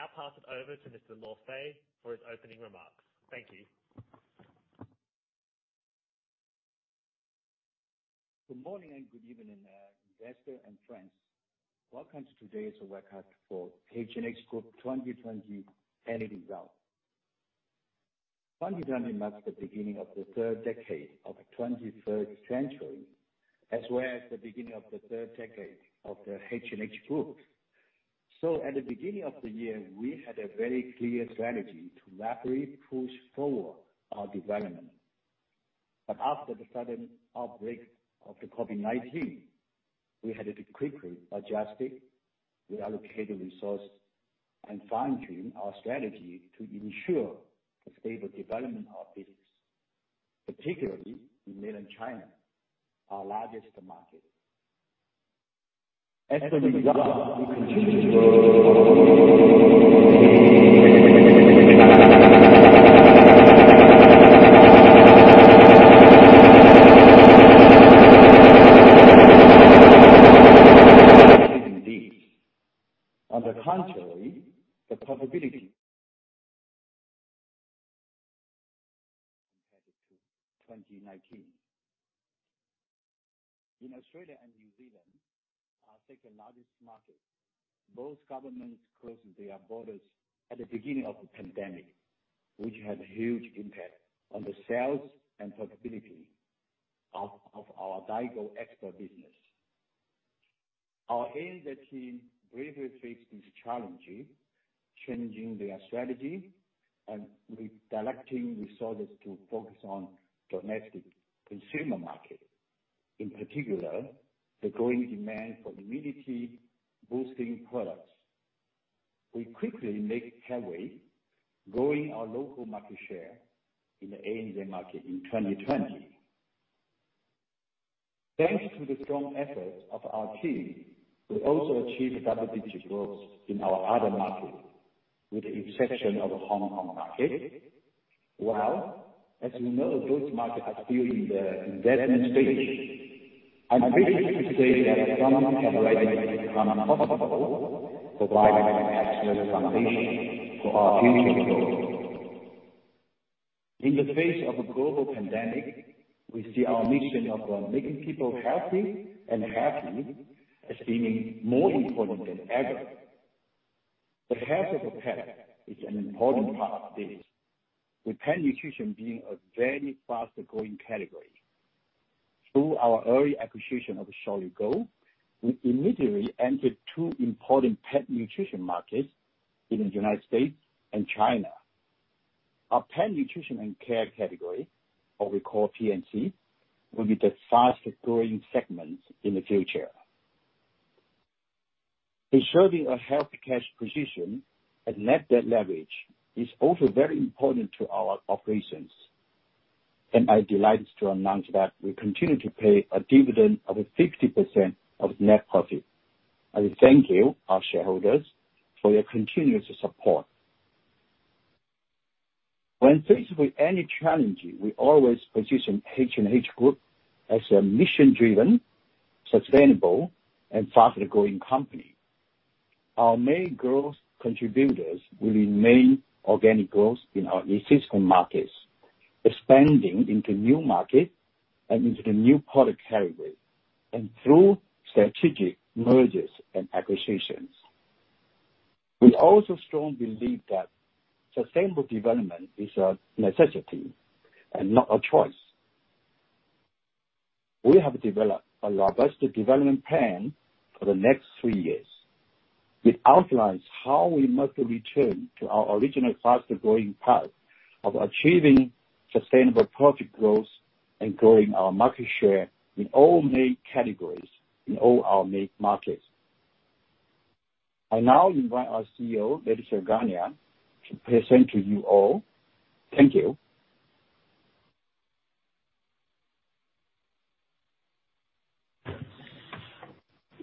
I'll now pass it over to Mr. Luo Fei for his opening remarks. Thank you. Good morning and good evening, investors and friends. Welcome to today's webcast for H&H Group 2020 Annual Results. 2020 marks the beginning of the third decade of 21st century, as well as the beginning of the third decade of the H&H Group. At the beginning of the year, we had a very clear strategy to rapidly push forward our development. After the sudden outbreak of the COVID-19, we had to quickly adjust, reallocate the resource, and fine-tune our strategy to ensure the stable development of our business, particularly in mainland China, our largest market. As a result, we continued growth of our indeed. On the contrary, the profitability compared to 2019. In Australia and New Zealand, our second-largest market, both governments closed their borders at the beginning of the pandemic, which had a huge impact on the sales and profitability of our Daigou export business. Our agency bravely faced these challenges, changing their strategy and redirecting resources to focus on domestic consumer market. In particular, the growing demand for immunity-boosting products. We quickly make headway growing our local market share in the ANZ market in 2020. Thanks to the strong efforts of our team, we also achieved double-digit growth in our other markets, with the exception of the Hong Kong market. While, as we know, those markets are still in the investment stage. I'm pleased to say that some have already become profitable, providing an excellent foundation for our future growth. In the face of a global pandemic, we see our mission of making people healthy and happy as being more important than ever. The health of a pet is an important part of this, with pet nutrition being a very fast-growing category. Through our early acquisition of Solid Gold, we immediately entered two important pet nutrition markets in the United States and China. Our pet nutrition and care category, or we call PNC, will be the fastest-growing segment in the future. Preserving a healthy cash position and net debt leverage is also very important to our operations, and I'm delighted to announce that we continue to pay a dividend of 60% of net profit. I thank you, our shareholders, for your continuous support. When faced with any challenge, we always position H&H Group as a mission-driven, sustainable, and fast-growing company. Our main growth contributors will remain organic growth in our existing markets, expanding into new markets and into the new product category, and through strategic mergers and acquisitions. We also strongly believe that sustainable development is a necessity and not a choice. We have developed a robust development plan for the next three years. It outlines how we must return to our original faster-growing path of achieving sustainable profit growth and growing our market share in all main categories in all our main markets. I now invite our Chief Executive Officer, Laetitia Garnier, to present to you all. Thank you.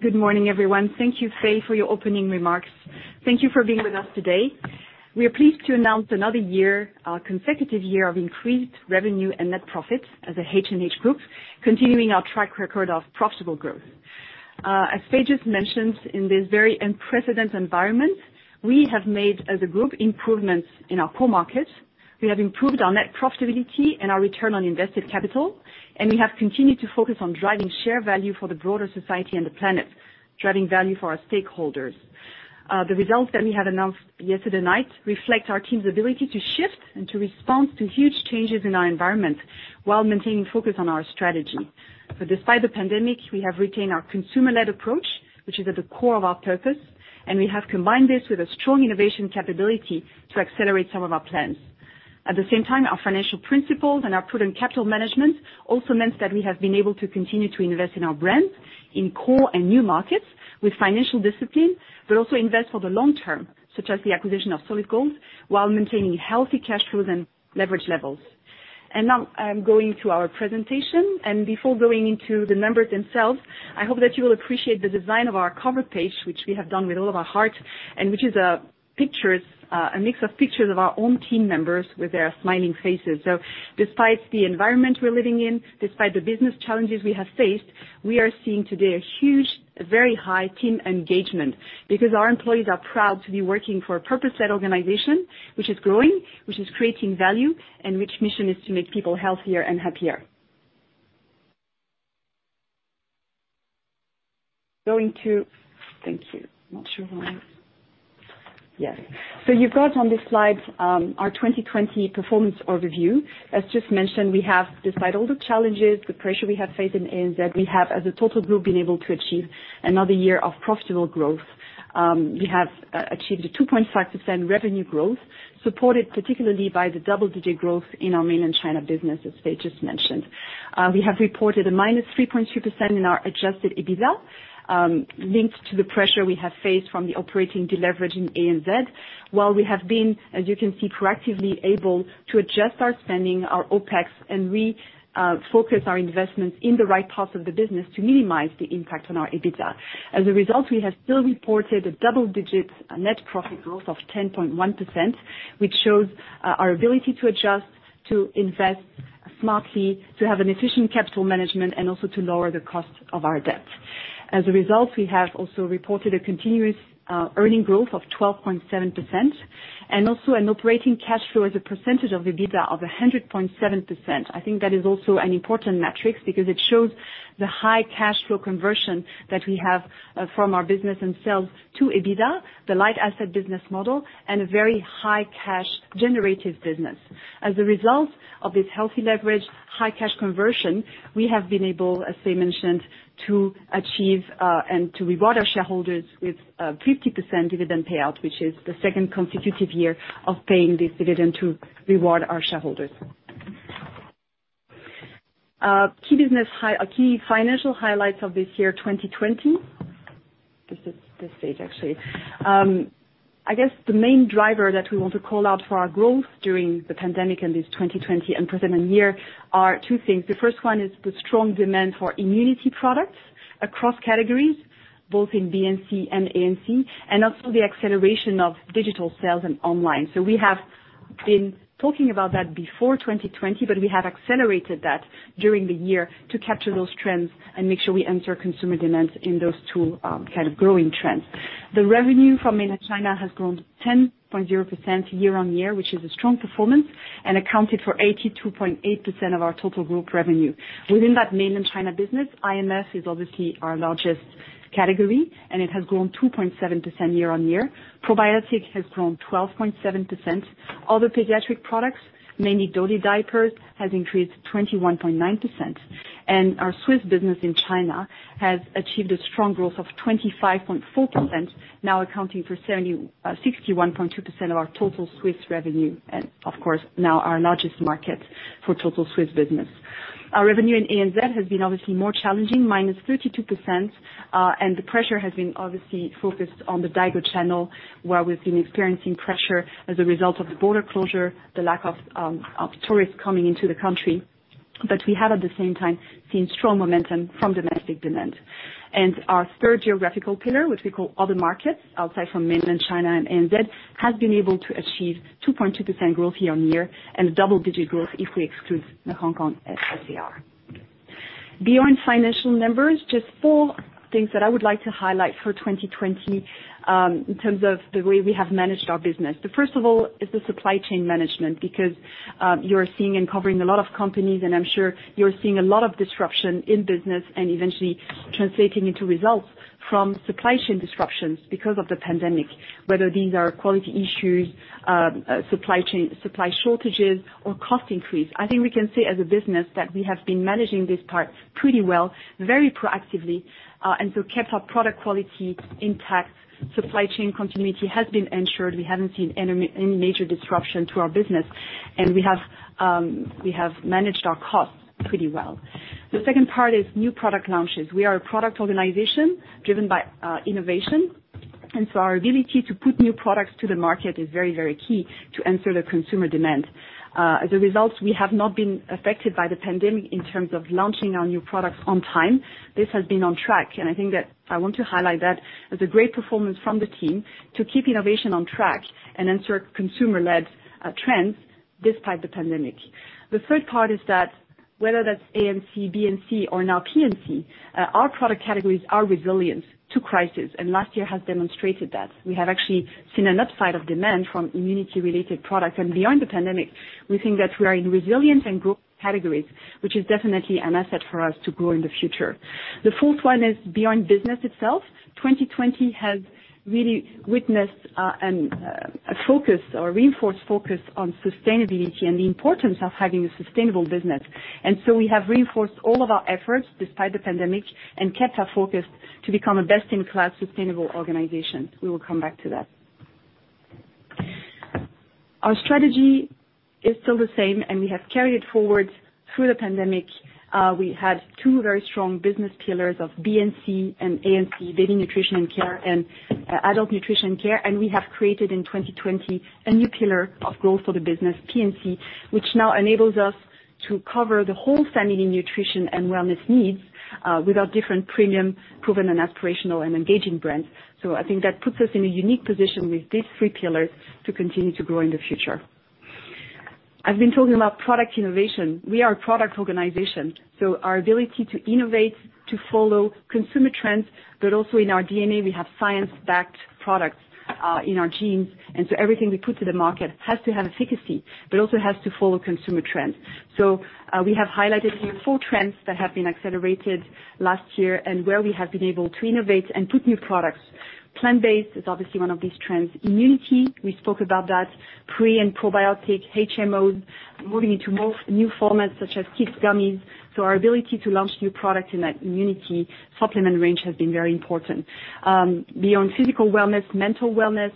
Good morning, everyone. Thank you, Fei, for your opening remarks. Thank you for being with us today. We are pleased to announce another year, our consecutive year of increased revenue and net profits as a H&H Group, continuing our track record of profitable growth. As Fei just mentioned, in this very unprecedented environment, we have made as a group improvements in our core markets. We have improved our net profitability and our return on invested capital, and we have continued to focus on driving share value for the broader society and the planet, driving value for our stakeholders. The results that we have announced yesterday night reflect our team's ability to shift and to respond to huge changes in our environment while maintaining focus on our strategy. Despite the pandemic, we have retained our consumer-led approach, which is at the core of our purpose, and we have combined this with a strong innovation capability to accelerate some of our plans. At the same time, our financial principles and our prudent capital management also meant that we have been able to continue to invest in our brands in core and new markets with financial discipline, but also invest for the long term, such as the acquisition of Solid Gold, while maintaining healthy cash flows and leverage levels. Now I'm going to our presentation, and before going into the numbers themselves, I hope that you will appreciate the design of our cover page, which we have done with all of our heart and which is a mix of pictures of our own team members with their smiling faces. Despite the environment we're living in, despite the business challenges we have faced, we are seeing today a very high team engagement because our employees are proud to be working for a purpose-led organization which is growing, which is creating value, and which mission is to make people healthier and happier. Thank you. Not sure why Yes. You've got on this slide our 2020 performance overview. As just mentioned, we have, despite all the challenges, the pressure we have faced in ANZ, we have, as a total group, been able to achieve another year of profitable growth. We have achieved a 2.5% revenue growth, supported particularly by the double-digit growth in our Mainland China business, as Fei just mentioned. We have reported a -3.2% in our adjusted EBITDA, linked to the pressure we have faced from the operating deleverage in ANZ. While we have been, as you can see, proactively able to adjust our spending, our OPEX, and refocus our investments in the right parts of the business to minimize the impact on our EBITDA. As a result, we have still reported a double-digit net profit growth of 10.1%, which shows our ability to adjust, to invest smartly, to have an efficient capital management, and also to lower the cost of our debt. As a result, we have also reported a continuous earning growth of 12.7% and also an operating cash flow as a percentage of EBITDA of 100.7%. I think that is also an important metric because it shows the high cash flow conversion that we have from our business and sales to EBITDA, the light asset business model, and a very high cash generative business. As a result of this healthy leverage, high cash conversion, we have been able, as Fei mentioned, to achieve and to reward our shareholders with a 50% dividend payout, which is the second consecutive year of paying this dividend to reward our shareholders. Key financial highlights of this year, 2020. This is the stage, actually. I guess the main driver that we want to call out for our growth during the pandemic and this 2020 unprecedented year are two things. The first one is the strong demand for immunity products across categories, both in BNC and ANC, and also the acceleration of digital sales and online. We have been talking about that before 2020, but we have accelerated that during the year to capture those trends and make sure we answer consumer demands in those two growing trends. The revenue from Mainland China has grown 10.0% year-on-year, which is a strong performance, and accounted for 82.8% of our total group revenue. Within that Mainland China business, IMF is obviously our largest category. It has grown 2.7% year-on-year. Probiotic has grown 12.7%. Other pediatric products, mainly Dodie diapers, has increased 21.9%. Our Swisse business in China has achieved a strong growth of 25.4%, now accounting for 61.2% of our total Swisse revenue. Of course, now our largest market for total Swisse business. Our revenue in ANZ has been obviously more challenging, -32%. The pressure has been obviously focused on the diaper channel, where we've been experiencing pressure as a result of the border closure, the lack of tourists coming into the country. We have, at the same time, seen strong momentum from domestic demand. Our third geographical pillar, which we call Other Markets, outside from Mainland China and ANZ, has been able to achieve 2.2% growth year-on-year and a double-digit growth if we exclude Hong Kong and SAR. Beyond financial numbers, just four things that I would like to highlight for 2020 in terms of the way we have managed our business. The first of all is the supply chain management, because you're seeing and covering a lot of companies, and I'm sure you're seeing a lot of disruption in business and eventually translating into results from supply chain disruptions because of the pandemic, whether these are quality issues, supply shortages, or cost increase. I think we can say as a business that we have been managing this part pretty well, very proactively, and so kept our product quality intact. Supply chain continuity has been ensured. We haven't seen any major disruption to our business, and we have managed our costs pretty well. The second part is new product launches. We are a product organization driven by innovation. Our ability to put new products to the market is very key to answer the consumer demand. As a result, we have not been affected by the pandemic in terms of launching our new products on time. This has been on track, and I think that I want to highlight that as a great performance from the team to keep innovation on track and answer consumer-led trends despite the pandemic. The third part is that whether that's ANC, BNC, or now PNC, our product categories are resilient to crisis, and last year has demonstrated that. We have actually seen an upside of demand from immunity-related products. Beyond the pandemic, we think that we are in resilient and growing categories, which is definitely an asset for us to grow in the future. The fourth one is beyond business itself. 2020 has really witnessed a focus or reinforced focus on sustainability and the importance of having a sustainable business. We have reinforced all of our efforts despite the pandemic and kept our focus to become a best-in-class sustainable organization. We will come back to that. Our strategy is still the same, and we have carried it forward through the pandemic. We had two very strong business pillars of BNC and ANC, Baby Nutrition and Care and Adult Nutrition and Care, and we have created in 2020 a new pillar of growth for the business, PNC, which now enables us to cover the whole family nutrition and wellness needs with our different premium, proven, aspirational, and engaging brands. I think that puts us in a unique position with these three pillars to continue to grow in the future. I've been talking about product innovation. We are a product organization, so our ability to innovate, to follow consumer trends, but also in our DNA, we have science-backed products in our genes. Everything we put to the market has to have efficacy, but also has to follow consumer trends. We have highlighted here four trends that have been accelerated last year and where we have been able to innovate and put new products. Plant-based is obviously one of these trends. Immunity, we spoke about that. Pre and probiotic HMO, moving into more new formats such as kids gummies. Our ability to launch new products in that immunity supplement range has been very important. Beyond physical wellness, mental wellness,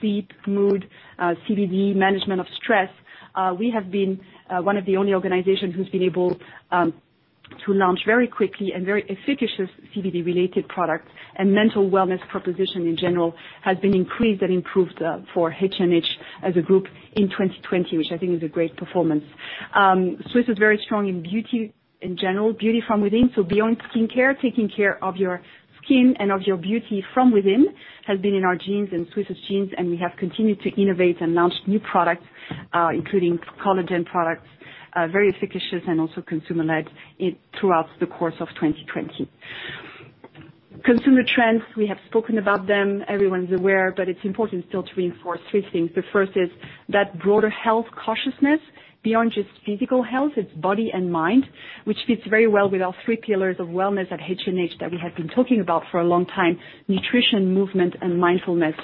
sleep, mood, CBD, management of stress. We have been one of the only organizations who's been able to launch very quickly and very efficacious CBD related products, and mental wellness proposition in general has been increased and improved for Health and Happiness as a group in 2020, which I think is a great performance. Swisse is very strong in beauty, in general, beauty from within. Beyond skincare, taking care of your skin and of your beauty from within has been in our genes and Swisse's genes, and we have continued to innovate and launch new products, including collagen products, very efficacious and also consumer led throughout the course of 2020. Consumer trends, we have spoken about them, everyone's aware, but it's important still to reinforce three things. The first is that broader health cautiousness, beyond just physical health, it's body and mind, which fits very well with our three pillars of wellness at Health and Happiness that we have been talking about for a long time, nutrition, movement and mindfulness.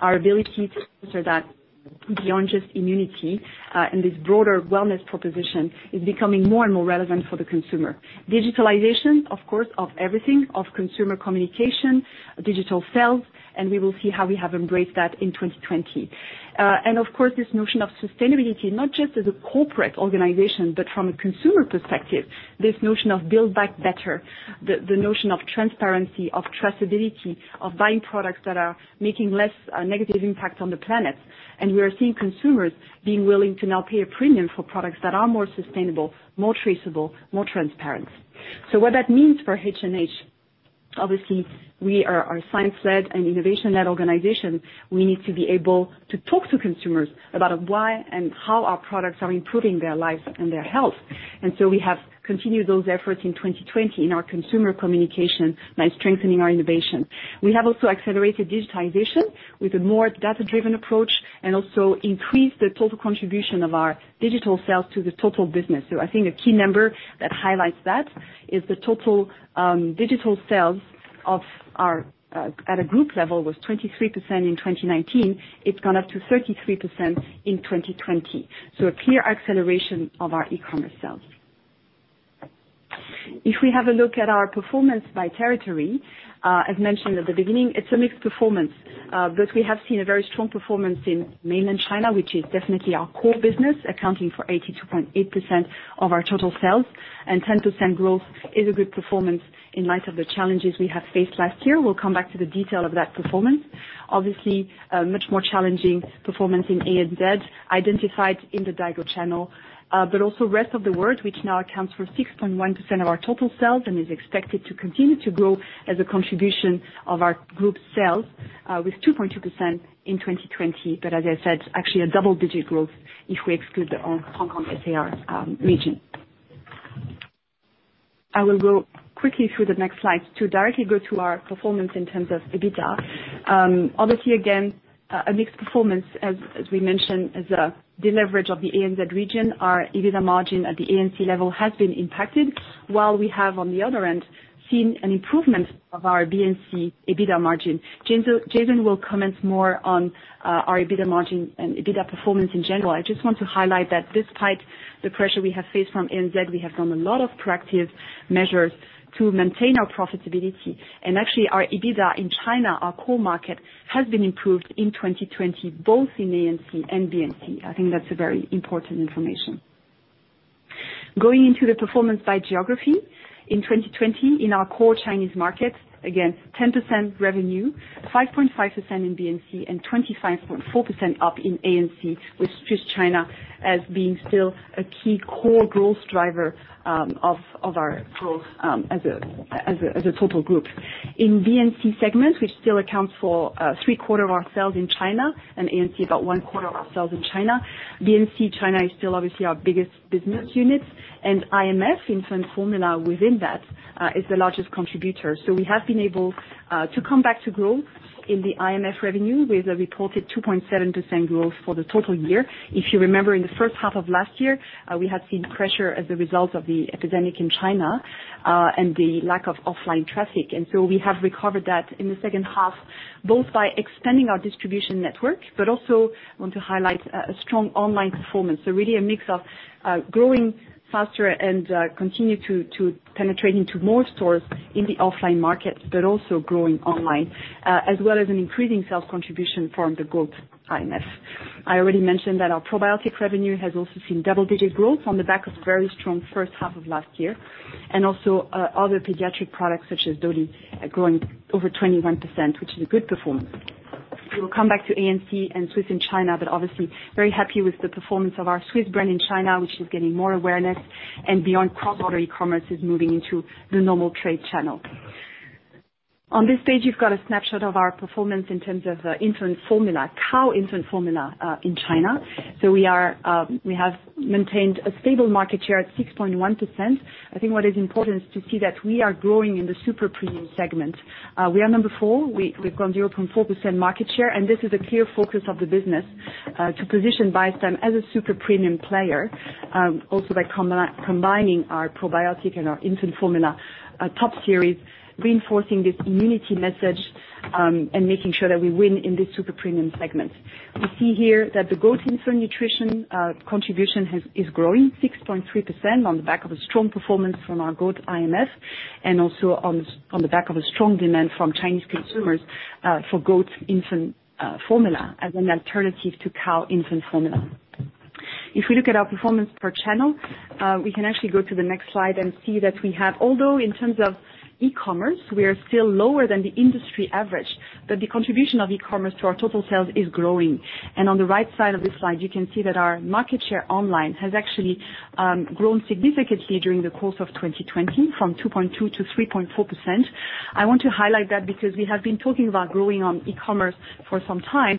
Our ability to answer that beyond just immunity, and this broader wellness proposition is becoming more and more relevant for the consumer. Digitalization, of course, of everything, of consumer communication, digital sales, and we will see how we have embraced that in 2020. Of course, this notion of sustainability, not just as a corporate organization, but from a consumer perspective, this notion of build back better, the notion of transparency, of traceability, of buying products that are making less negative impact on the planet. We are seeing consumers being willing to now pay a premium for products that are more sustainable, more traceable, more transparent. What that means for H&H, obviously, we are a science-led and innovation-led organization. We need to be able to talk to consumers about why and how our products are improving their lives and their health. So we have continued those efforts in 2020 in our consumer communication by strengthening our innovation. We have also accelerated digitization with a more data-driven approach, and also increased the total contribution of our digital sales to the total business. I think a key number that highlights that is the total digital sales at a group level was 23% in 2019. It's gone up to 33% in 2020. A clear acceleration of our e-commerce sales. If we have a look at our performance by territory, as mentioned at the beginning, it's a mixed performance. We have seen a very strong performance in mainland China, which is definitely our core business, accounting for 82.8% of our total sales. 10% growth is a good performance in light of the challenges we have faced last year. We'll come back to the detail of that performance. Obviously, a much more challenging performance in ANZ identified in the Daigou channel, but also rest of the world, which now accounts for 6.1% of our total sales and is expected to continue to grow as a contribution of our group sales with 2.2% in 2020. As I said, actually a double digit growth if we exclude the Hong Kong SAR region. I will go quickly through the next slide to directly go through our performance in terms of EBITDA. Obviously, again, a mixed performance as we mentioned, as a deleverage of the ANZ region. Our EBITDA margin at the ANC level has been impacted, while we have, on the other end, seen an improvement of our BNC EBITDA margin. Jason will comment more on our EBITDA margin and EBITDA performance in general. I just want to highlight that despite the pressure we have faced from ANZ, we have done a lot of proactive measures to maintain our profitability. Actually our EBITDA in China, our core market, has been improved in 2020, both in ANC and BNC. I think that's a very important information. Going into the performance by geography. In 2020, in our core Chinese market, again, 10% revenue, 5.5% in BNC, and 25.4% up in ANC with Swisse China as being still a key core growth driver of our growth as a total group. In BNC segment, which still accounts for three quarter of our sales in China, and ANC about one quarter of our sales in China. BNC China is still obviously our biggest business unit, and IMF, infant formula within that, is the largest contributor. We have been able to come back to growth in the IMF revenue with a reported 2.7% growth for the total year. If you remember in the first half of last year, we had seen pressure as a result of the epidemic in China, and the lack of offline traffic. We have recovered that in the second half, both by expanding our distribution network, but also want to highlight a strong online performance. Really a mix of growing faster and continue to penetrate into more stores in the offline market, but also growing online, as well as an increasing sales contribution from the growth IMF. I already mentioned that our probiotic revenue has also seen double digit growth on the back of very strong first half of last year. Also other pediatric products such as Dodie growing over 21%, which is a good performance. We will come back to ANC and Swisse in China, obviously very happy with the performance of our Swisse brand in China, which is getting more awareness, and beyond cross-border e-commerce is moving into the normal trade channel. On this page, you've got a snapshot of our performance in terms of infant formula, cow infant formula in China. We have maintained a stable market share at 6.1%. I think what is important is to see that we are growing in the super premium segment. We are number four. We've grown 0.4% market share, and this is a clear focus of the business, to position Biostime as a super premium player, also by combining our probiotic and our infant formula Star Series, reinforcing this immunity message, and making sure that we win in this super premium segment. We see here that the goat infant nutrition contribution is growing 6.3% on the back of a strong performance from our goat IMF, and also on the back of a strong demand from Chinese consumers for goat infant formula as an alternative to cow infant formula. If we look at our performance per channel, we can actually go to the next slide and see that although in terms of e-commerce, we are still lower than the industry average, but the contribution of e-commerce to our total sales is growing. On the right side of this slide, you can see that our market share online has actually grown significantly during the course of 2020, from 2.2%-3.4%. I want to highlight that because we have been talking about growing on e-commerce for some time,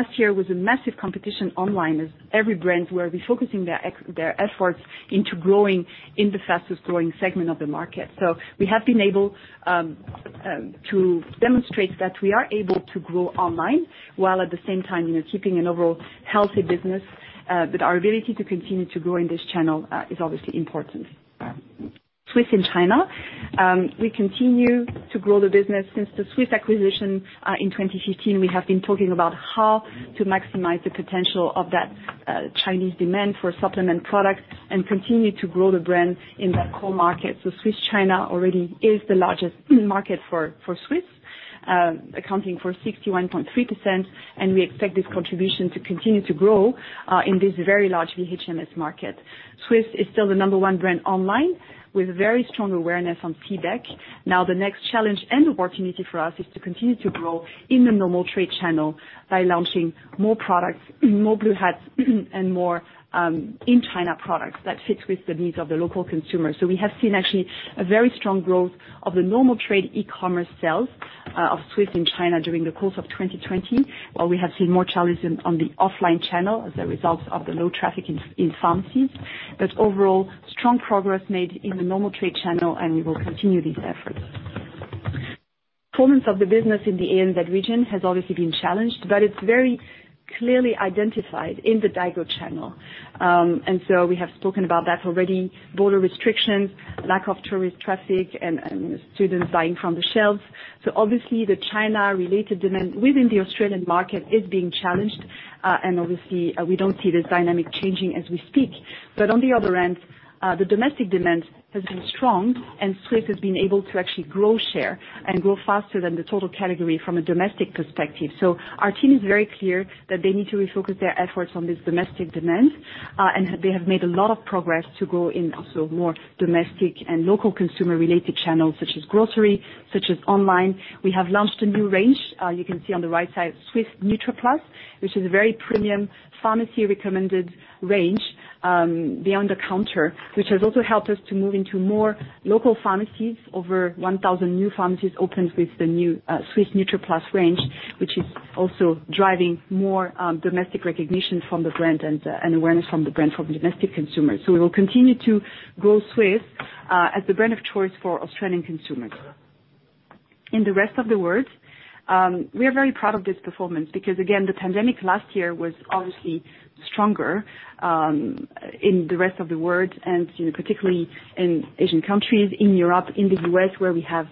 last year was a massive competition online as every brand were refocusing their efforts into growing in the fastest-growing segment of the market. We have been able to demonstrate that we are able to grow online, while at the same time keeping an overall healthy business, our ability to continue to grow in this channel is obviously important. Swisse in China. We continue to grow the business. Since the Swisse acquisition in 2015, we have been talking about how to maximize the potential of that Chinese demand for supplement products and continue to grow the brand in that core market. Swisse China already is the largest market for Swisse, accounting for 61.3%, we expect this contribution to continue to grow in this very large VHMS market. Swisse is still the number one brand online with very strong awareness on CBEC. The next challenge and opportunity for us is to continue to grow in the normal trade channel by launching more products, more Blue Hats, and more in-China products that fits with the needs of the local consumer. We have seen actually a very strong growth of the normal trade e-commerce sales of Swisse in China during the course of 2020, while we have seen more challenges on the offline channel as a result of the low traffic in pharmacies. Overall, strong progress made in the normal trade channel, and we will continue these efforts. Performance of the business in the ANZ region has obviously been challenged, but it's very clearly identified in the Daigou channel. We have spoken about that already. Border restrictions, lack of tourist traffic, and students buying from the shelves. Obviously, the China-related demand within the Australian market is being challenged. Obviously, we don't see this dynamic changing as we speak. On the other end, the domestic demand has been strong, and Swisse has been able to actually grow share and grow faster than the total category from a domestic perspective. Our team is very clear that they need to refocus their efforts on this domestic demand, and they have made a lot of progress to grow in also more domestic and local consumer-related channels, such as grocery, such as online. We have launched a new range. You can see on the right side, Swisse Nutra+, which is a very premium pharmacy-recommended range, beyond the counter, which has also helped us to move into more local pharmacies. Over 1,000 new pharmacies opened with the new Swisse Nutra+ range, which is also driving more domestic recognition from the brand and awareness from the brand from domestic consumers. We will continue to grow Swisse as the brand of choice for Australian consumers. In the rest of the world, we are very proud of this performance because, again, the pandemic last year was obviously stronger in the rest of the world, and particularly in Asian countries, in Europe, in the U.S., where we have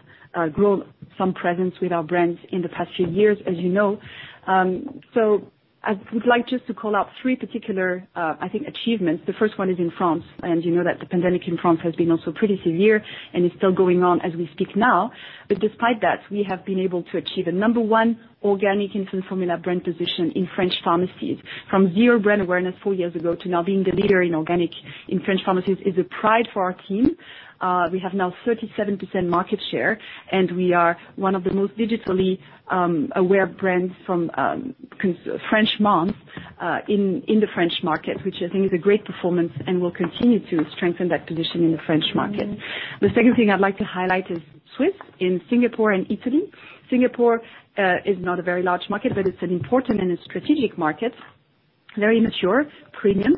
grown some presence with our brands in the past few years, as you know. I would like just to call out three particular achievements. The first one is in France, and you know that the pandemic in France has been also pretty severe and is still going on as we speak now. Despite that, we have been able to achieve a number one organic infant formula brand position in French pharmacies. From zero brand awareness four years ago to now being the leader in organic in French pharmacies is a pride for our team. We have now 37% market share, and we are one of the most digitally aware brands from French moms in the French market, which I think is a great performance and will continue to strengthen that position in the French market. The second thing I'd like to highlight is Swisse in Singapore and Italy. Singapore is not a very large market, but it's an important and a strategic market, very mature, premium.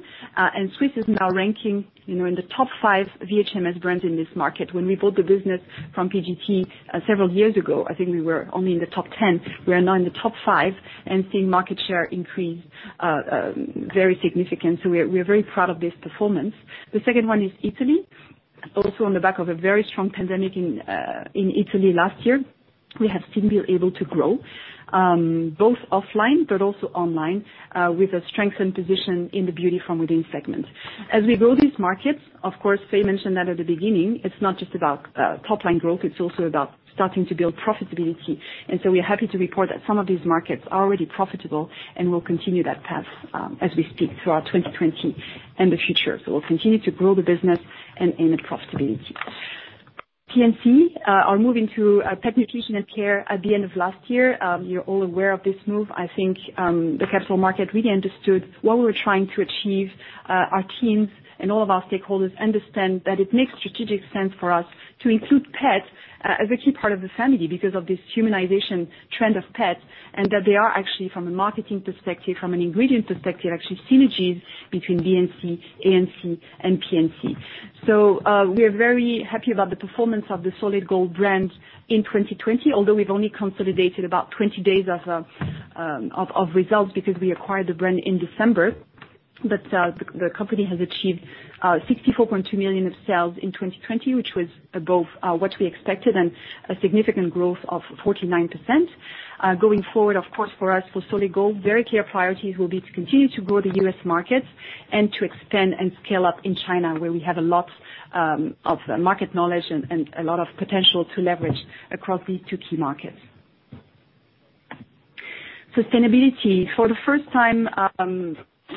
Swisse is now ranking in the top five VHMS brands in this market. When we bought the business from PGT several years ago, I think we were only in the top 10. We are now in the top five and seeing market share increase very significantly. We are very proud of this performance. The second one is Italy. On the back of a very strong pandemic in Italy last year, we have still been able to grow, both offline but also online, with a strengthened position in the beauty from within segment. As we grow these markets, of course, Fei mentioned that at the beginning, it's not just about top-line growth, it's also about starting to build profitability. We are happy to report that some of these markets are already profitable and will continue that path as we speak throughout 2020 and the future. We'll continue to grow the business and aim at profitability. PNC are moving to Pet Nutrition and Care at the end of last year. You're all aware of this move. I think the capital market really understood what we were trying to achieve. Our teams and all of our stakeholders understand that it makes strategic sense for us to include pets as a key part of the family because of this humanization trend of pets, and that they are actually, from a marketing perspective, from an ingredient perspective, actually synergies between BNC, ANC, and PNC. We are very happy about the performance of the Solid Gold brand in 2020, although we've only consolidated about 20 days of results because we acquired the brand in December. The company has achieved 64.2 million of sales in 2020, which was above what we expected and a significant growth of 49%. Going forward, of course, for us, for Solid Gold, very clear priorities will be to continue to grow the US market and to expand and scale up in China, where we have a lot of market knowledge and a lot of potential to leverage across these two key markets. Sustainability. For the first time,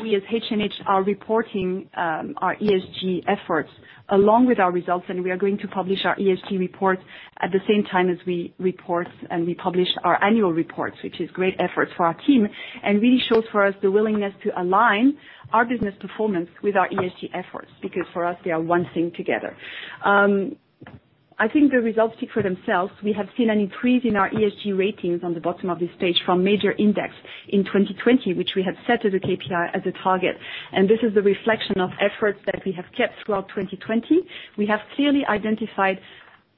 we as Health and Happiness are reporting our ESG efforts along with our results, and we are going to publish our ESG report at the same time as we report and we publish our annual reports, which is great efforts for our team and really shows for us the willingness to align our business performance with our ESG efforts, because for us, they are one thing together. I think the results speak for themselves. We have seen an increase in our ESG ratings on the bottom of this page from major index in 2020, which we had set as a KPI, as a target. This is a reflection of efforts that we have kept throughout 2020. We have clearly identified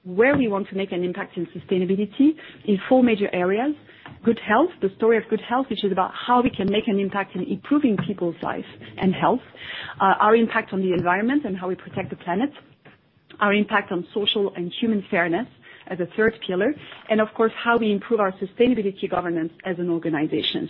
where we want to make an impact in sustainability in four major areas. Good health, the story of good health, which is about how we can make an impact in improving people's life and health, our impact on the environment and how we protect the planet, our impact on social and human fairness as a third pillar, and of course, how we improve our sustainability governance as an organization.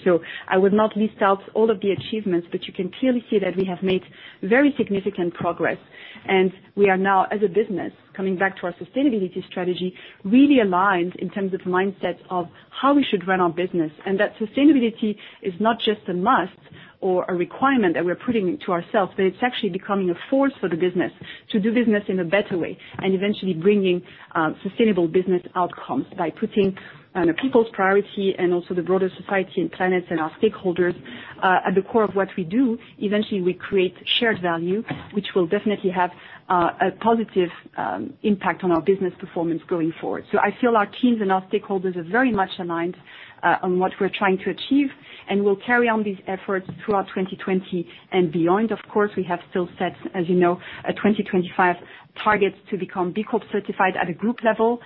I would not list out all of the achievements, but you can clearly see that we have made very significant progress, and we are now, as a business, coming back to our sustainability strategy, really aligned in terms of mindset of how we should run our business, and that sustainability is not just a must or a requirement that we're putting to ourselves, but it's actually becoming a force for the business to do business in a better way and eventually bringing sustainable business outcomes by putting people's priority and also the broader society and planets and our stakeholders at the core of what we do. Eventually, we create shared value, which will definitely have a positive impact on our business performance going forward. I feel our teams and our stakeholders are very much aligned on what we're trying to achieve, and we'll carry on these efforts throughout 2020 and beyond. Of course, we have still set, as you know, a 2025 target to become B Corp certified at a group level.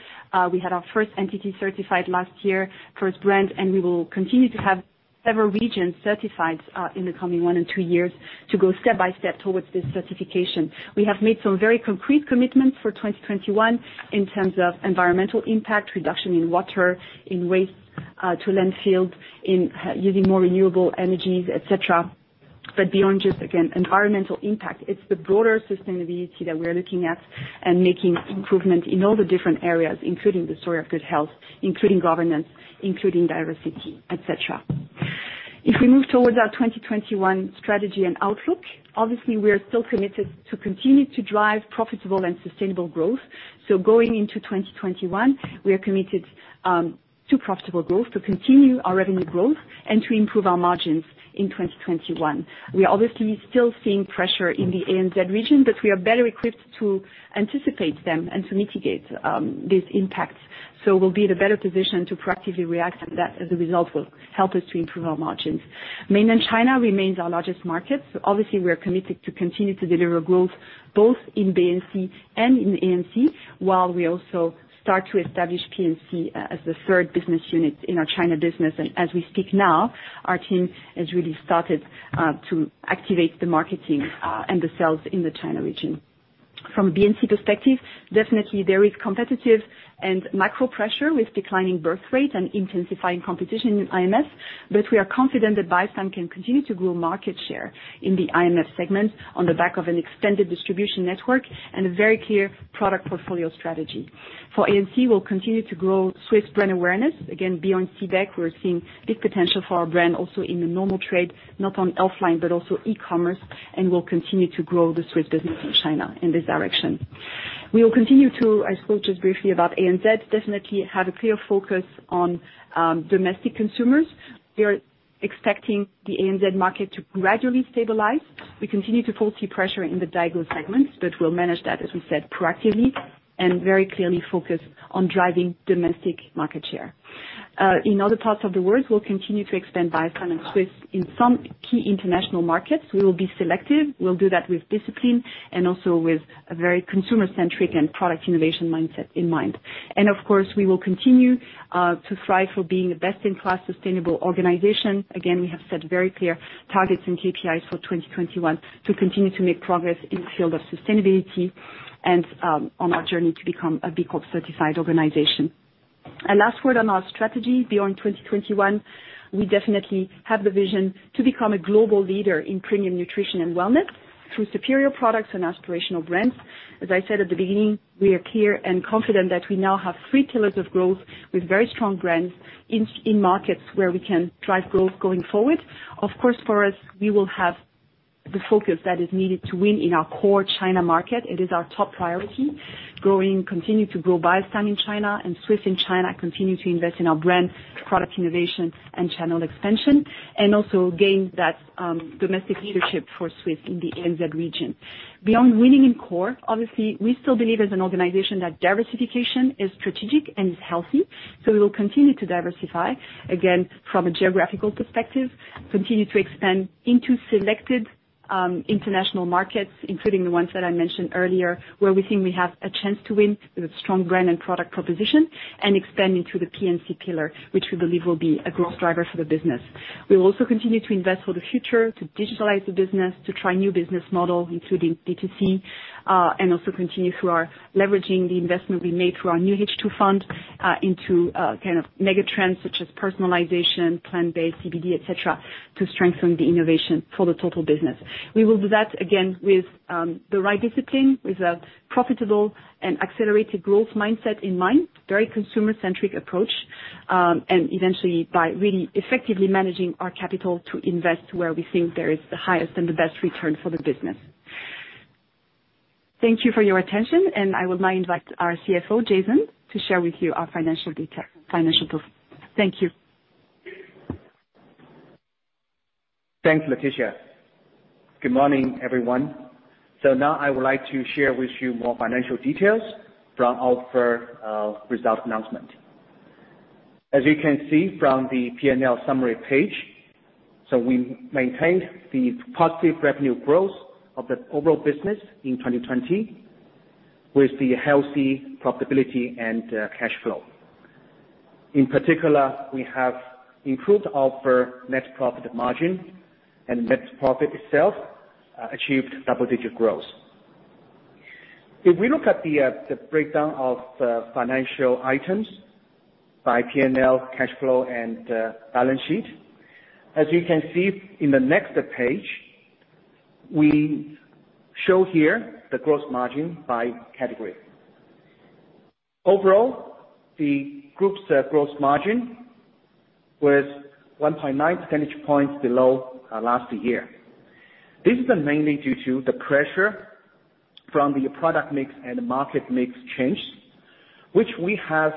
We had our first entity certified last year, first brand, and we will continue to have several regions certified in the coming one and two years to go step by step towards this certification. We have made some very concrete commitments for 2021 in terms of environmental impact, reduction in water, in waste to landfill, in using more renewable energies, et cetera. Beyond just, again, environmental impact, it's the broader sustainability that we are looking at and making improvement in all the different areas, including the story of good health, including governance, including diversity, et cetera. If we move towards our 2021 strategy and outlook, obviously we are still committed to continue to drive profitable and sustainable growth. Going into 2021, we are committed to profitable growth, to continue our revenue growth and to improve our margins in 2021. We are obviously still seeing pressure in the ANZ region, but we are better equipped to anticipate them and to mitigate these impacts. We'll be in a better position to proactively react, and that, as a result, will help us to improve our margins. Mainland China remains our largest market, so obviously we are committed to continue to deliver growth both in BNC and in ANC, while we also start to establish PNC as the third business unit in our China business. As we speak now, our team has really started to activate the marketing and the sales in the China region. From a BNC perspective, definitely there is competitive and macro pressure with declining birth rate and intensifying competition in IMF, but we are confident that Biostime can continue to grow market share in the IMF segment on the back of an extended distribution network and a very clear product portfolio strategy. For ANC, we'll continue to grow Swisse brand awareness. Again, beyond ANZ, we're seeing big potential for our brand also in the normal trade, not on offline, but also e-commerce. We'll continue to grow the Swisse business in China in this direction. We will continue to, I spoke just briefly about ANZ, definitely have a clear focus on domestic consumers. We are expecting the ANZ market to gradually stabilize. We continue to foresee pressure in the Daigou segments. We'll manage that, as we said, proactively and very clearly focused on driving domestic market share. In other parts of the world, we'll continue to expand Biostime and Swisse in some key international markets. We will be selective. We'll do that with discipline and also with a very consumer-centric and product innovation mindset in mind. Of course, we will continue to strive for being a best-in-class sustainable organization. Again, we have set very clear targets and KPIs for 2021 to continue to make progress in the field of sustainability and on our journey to become a B Corp certified organization. A last word on our strategy beyond 2021, we definitely have the vision to become a global leader in premium nutrition and wellness through superior products and aspirational brands. As I said at the beginning, we are clear and confident that we now have three pillars of growth with very strong brands in markets where we can drive growth going forward. Of course, for us, the focus that is needed to win in our core China market, it is our top priority. Growing, continue to grow Biostime in China and Swisse in China, continue to invest in our brand, product innovation and channel expansion, and also gain that domestic leadership for Swisse in the ANZ region. Beyond winning in core, obviously, we still believe as an organization that diversification is strategic and is healthy. We will continue to diversify, again, from a geographical perspective, continue to expand into selected international markets, including the ones that I mentioned earlier, where we think we have a chance to win with a strong brand and product proposition, and expand into the PNC pillar, which we believe will be a growth driver for the business. We will also continue to invest for the future, to digitalize the business, to try new business models including D2C, and also continue through our leveraging the investment we made through our NewH2 fund, into mega trends such as personalization, plant-based, CBD, et cetera, to strengthen the innovation for the total business. We will do that, again, with the right discipline, with a profitable and accelerated growth mindset in mind, very consumer-centric approach, and eventually by really effectively managing our capital to invest where we think there is the highest and the best return for the business. Thank you for your attention. I would now invite our Chief Financial Officer, Jason, to share with you our financial detail, financial profile. Thank you. Thanks, Laetitia. Good morning, everyone. Now I would like to share with you more financial details from our result announcement. As you can see from the P&L summary page, we maintained the positive revenue growth of the overall business in 2020, with the healthy profitability and cash flow. In particular, we have improved our net profit margin and net profit itself, achieved double-digit growth. If we look at the breakdown of financial items by P&L, cash flow and balance sheet, as you can see in the next page, we show here the gross margin by category. Overall, the group's gross margin was 1.9 percentage points below last year. This is mainly due to the pressure from the product mix and market mix change, which we have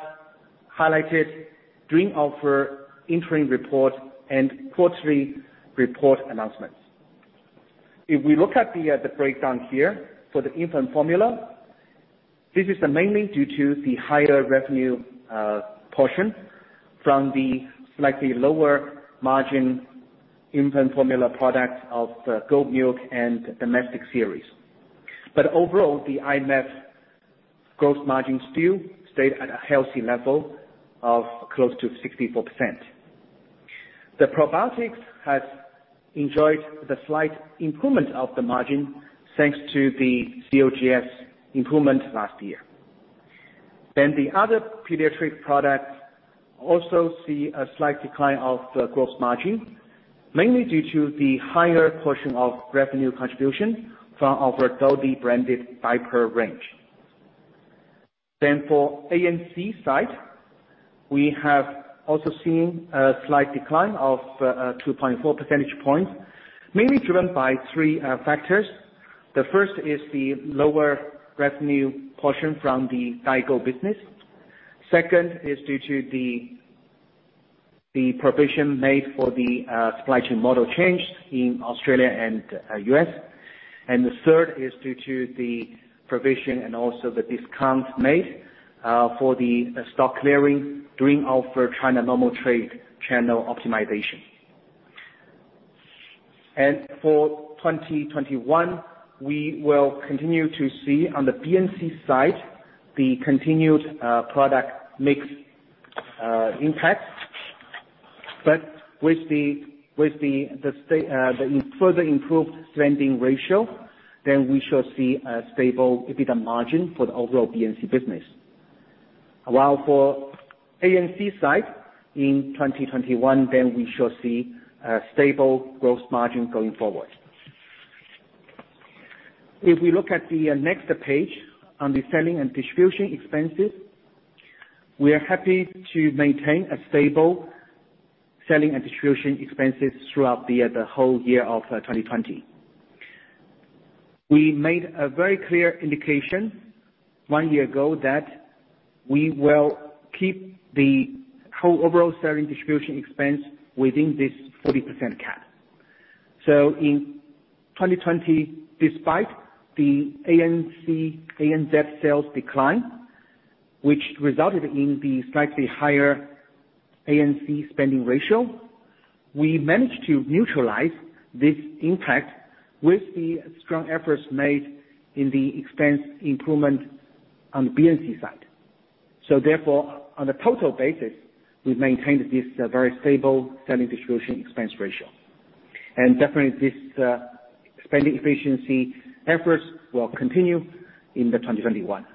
highlighted during our interim report and quarterly report announcements. If we look at the breakdown here for the infant formula, this is mainly due to the higher revenue portion from the slightly lower margin infant formula products of goat milk and domestic series. Overall, the IMF gross margin still stayed at a healthy level of close to 64%. The probiotics has enjoyed the slight improvement of the margin, thanks to the COGS improvement last year. The other pediatric products also see a slight decline of the gross margin, mainly due to the higher portion of revenue contribution from our Dodie-branded diaper range. For ANC side, we have also seen a slight decline of 2.4 percentage points, mainly driven by three factors. The first is the lower revenue portion from the Daigou business. Second is due to the provision made for the supply chain model change in Australia and U.S. The third is due to the provision and also the discount made for the stock clearing during our China normal trade channel optimization. For 2021, we will continue to see on the BNC side, the continued product mix impact. With the further improved spending ratio, then we shall see a stable EBITDA margin for the overall BNC business. While for ANC side in 2021, then we shall see a stable gross margin going forward. If we look at the next page on the selling and distribution expenses, we are happy to maintain a stable selling and distribution expenses throughout the whole year of 2020. We made a very clear indication one year ago that we will keep the whole overall selling distribution expense within this 40% cap. In 2020, despite the ANC, ANZ sales decline, which resulted in the slightly higher ANC spending ratio, we managed to neutralize this impact with the strong efforts made in the expense improvement on the BNC side. Therefore, on a total basis, we've maintained this very stable selling distribution expense ratio. Definitely this spending efficiency efforts will continue in 2021.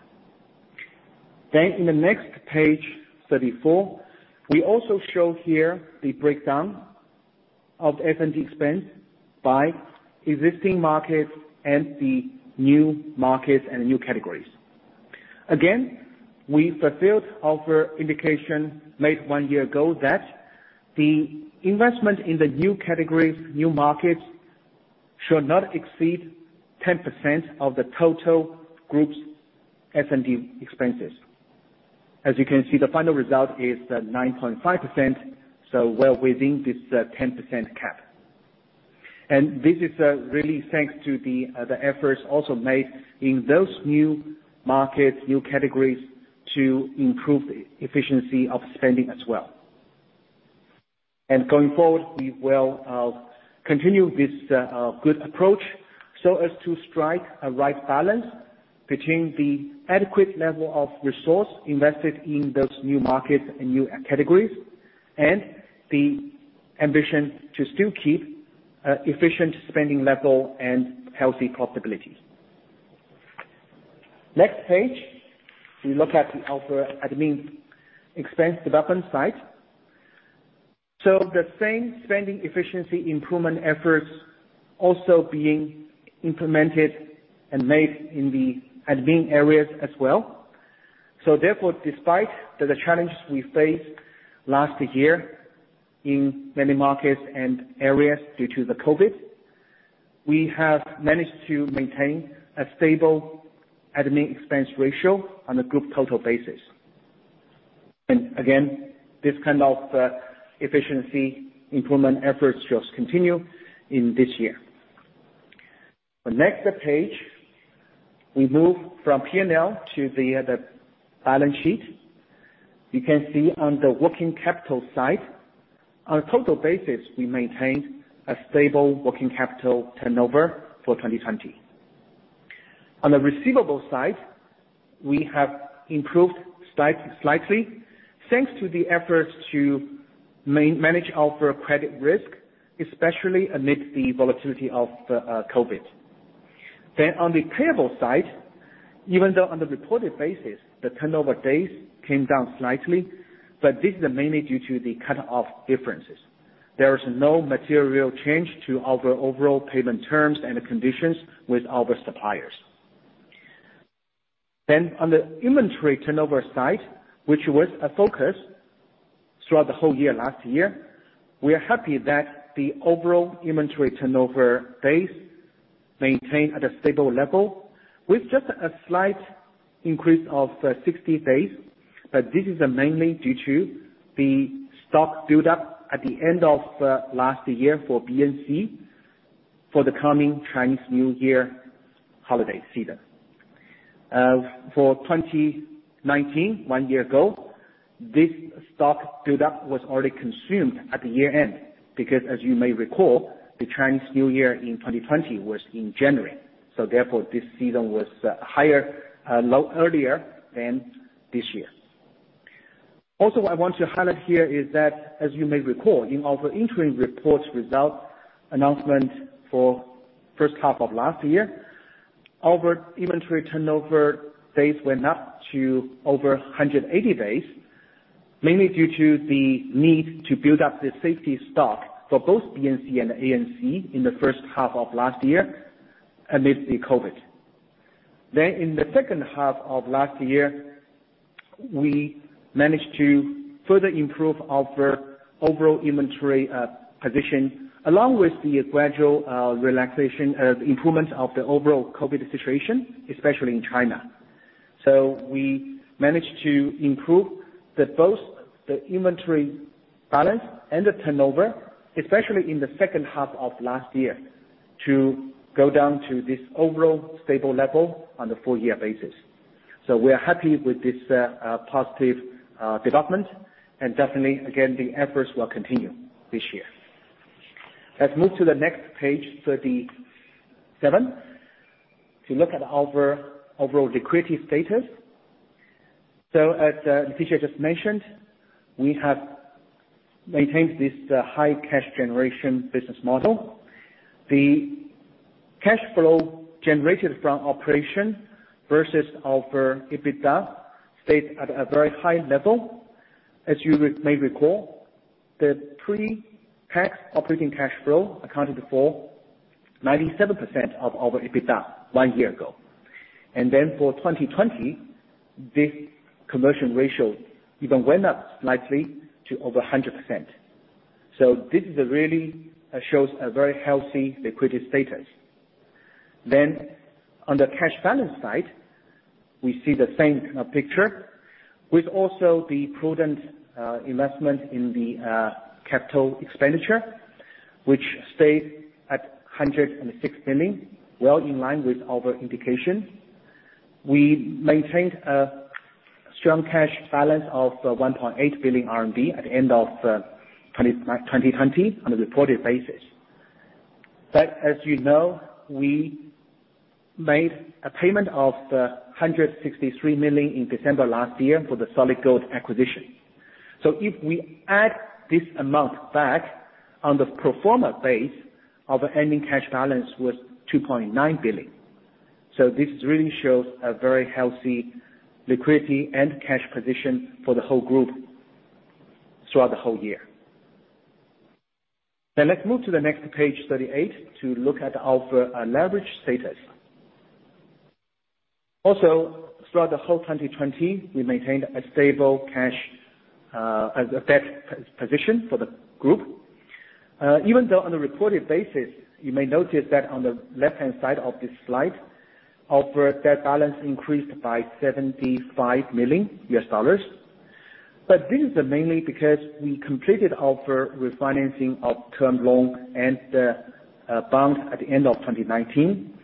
In the next page 34, we also show here the breakdown of S&D expense by existing markets and the new markets and new categories. Again, we fulfilled our indication made one year ago that the investment in the new categories, new markets, should not exceed 10% of the total group's S&D expenses. As you can see, the final result is 9.5%, well within this 10% cap. This is really thanks to the efforts also made in those new markets, new categories, to improve the efficiency of spending as well. Going forward, we will continue this good approach so as to strike a right balance between the adequate level of resource invested in those new markets and new categories, and the ambition to still keep efficient spending level and healthy profitability. Next page, we look at our admin expense development side. The same spending efficiency improvement efforts also being implemented and made in the admin areas as well. Therefore, despite the challenges we faced last year in many markets and areas due to the COVID-19, we have managed to maintain a stable admin expense ratio on a group total basis. Again, this kind of efficiency improvement efforts just continue in this year. The next page, we move from P&L to the balance sheet. You can see on the working capital side, on a total basis, we maintained a stable working capital turnover for 2020. On the receivables side, we have improved slightly. Thanks to the efforts to manage our credit risk, especially amid the volatility of COVID-19. On the payable side, even though on the reported basis, the turnover days came down slightly, but this is mainly due to the cut-off differences. There is no material change to our overall payment terms and conditions with our suppliers. On the inventory turnover side, which was a focus throughout the whole year last year, we are happy that the overall inventory turnover days maintained at a stable level with just a slight increase of 60 days, but this is mainly due to the stock buildup at the end of last year for BNC for the coming Chinese New Year holiday season. For 2019, one year ago, this stock buildup was already consumed at the year-end because, as you may recall, the Chinese New Year in 2020 was in January. Therefore, this season was higher, a lot earlier than this year. What I want to highlight here is that, as you may recall, in our interim report results announcement for first half of last year, our inventory turnover days went up to over 180 days, mainly due to the need to build up the safety stock for both BNC and ANC in the first half of last year amid the COVID-19. In the second half of last year, we managed to further improve our overall inventory position, along with the gradual relaxation of improvements of the overall COVID-19 situation, especially in China. We managed to improve both the inventory balance and the turnover, especially in the second half of last year, to go down to this overall stable level on the full year basis. We are happy with this positive development and definitely, again, the efforts will continue this year. Let's move to the next page 37 to look at our overall liquidity status. As Laetitia just mentioned, we have maintained this high cash generation business model. The cash flow generated from operation versus our EBITDA stayed at a very high level. As you may recall, the pre-tax operating cash flow accounted for 97% of our EBITDA one year ago. For 2020, this conversion ratio even went up slightly to over 100%. This really shows a very healthy liquidity status. On the cash balance side, we see the same kind of picture with also the prudent investment in the capital expenditure, which stayed at 106 million, well in line with our indications. We maintained a strong cash balance of 1.8 billion RMB at the end of 2020 on a reported basis. As you know, we made a payment of 163 million in December 2019 for the Solid Gold acquisition. If we add this amount back on the pro forma base, our ending cash balance was 2.9 billion. This really shows a very healthy liquidity and cash position for the whole group throughout the whole year. Let's move to the next page 38 to look at our leverage status. Also, throughout the whole 2020, we maintained a stable cash, debt position for the group. Even though on a recorded basis, you may notice that on the left-hand side of this slide, our debt balance increased by $75 million U.S. dollars. This is mainly because we completed our refinancing of term loan and the bonds at the end of 2019.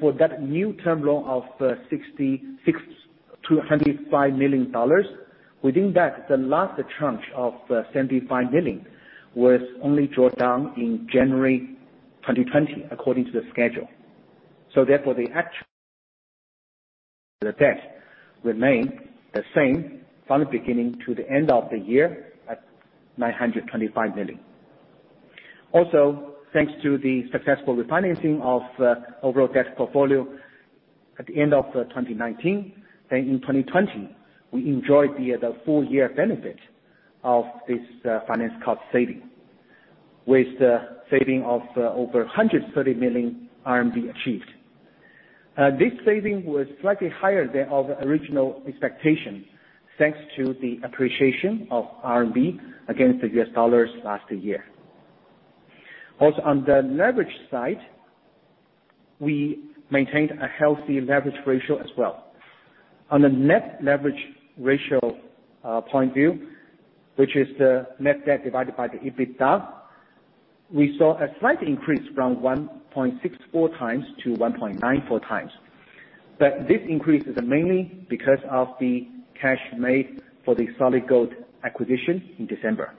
For that new term loan of $66 million-$105 million, within that, the last tranche of $75 million was only drawn down in January 2020, according to the schedule. Therefore, the actual debt remained the same from the beginning to the end of the year at $925 million. Thanks to the successful refinancing of overall debt portfolio at the end of 2019, in 2020, we enjoyed the other full-year benefit of this finance cost saving, with the saving of over 130 million RMB achieved. This saving was slightly higher than our original expectation, thanks to the appreciation of RMB against the U.S. dollars last year. On the leverage side, we maintained a healthy leverage ratio as well. On the net leverage ratio point of view, which is the net debt divided by the EBITDA, we saw a slight increase from 1.64x-1.94x. This increase is mainly because of the cash made for the Solid Gold acquisition in December.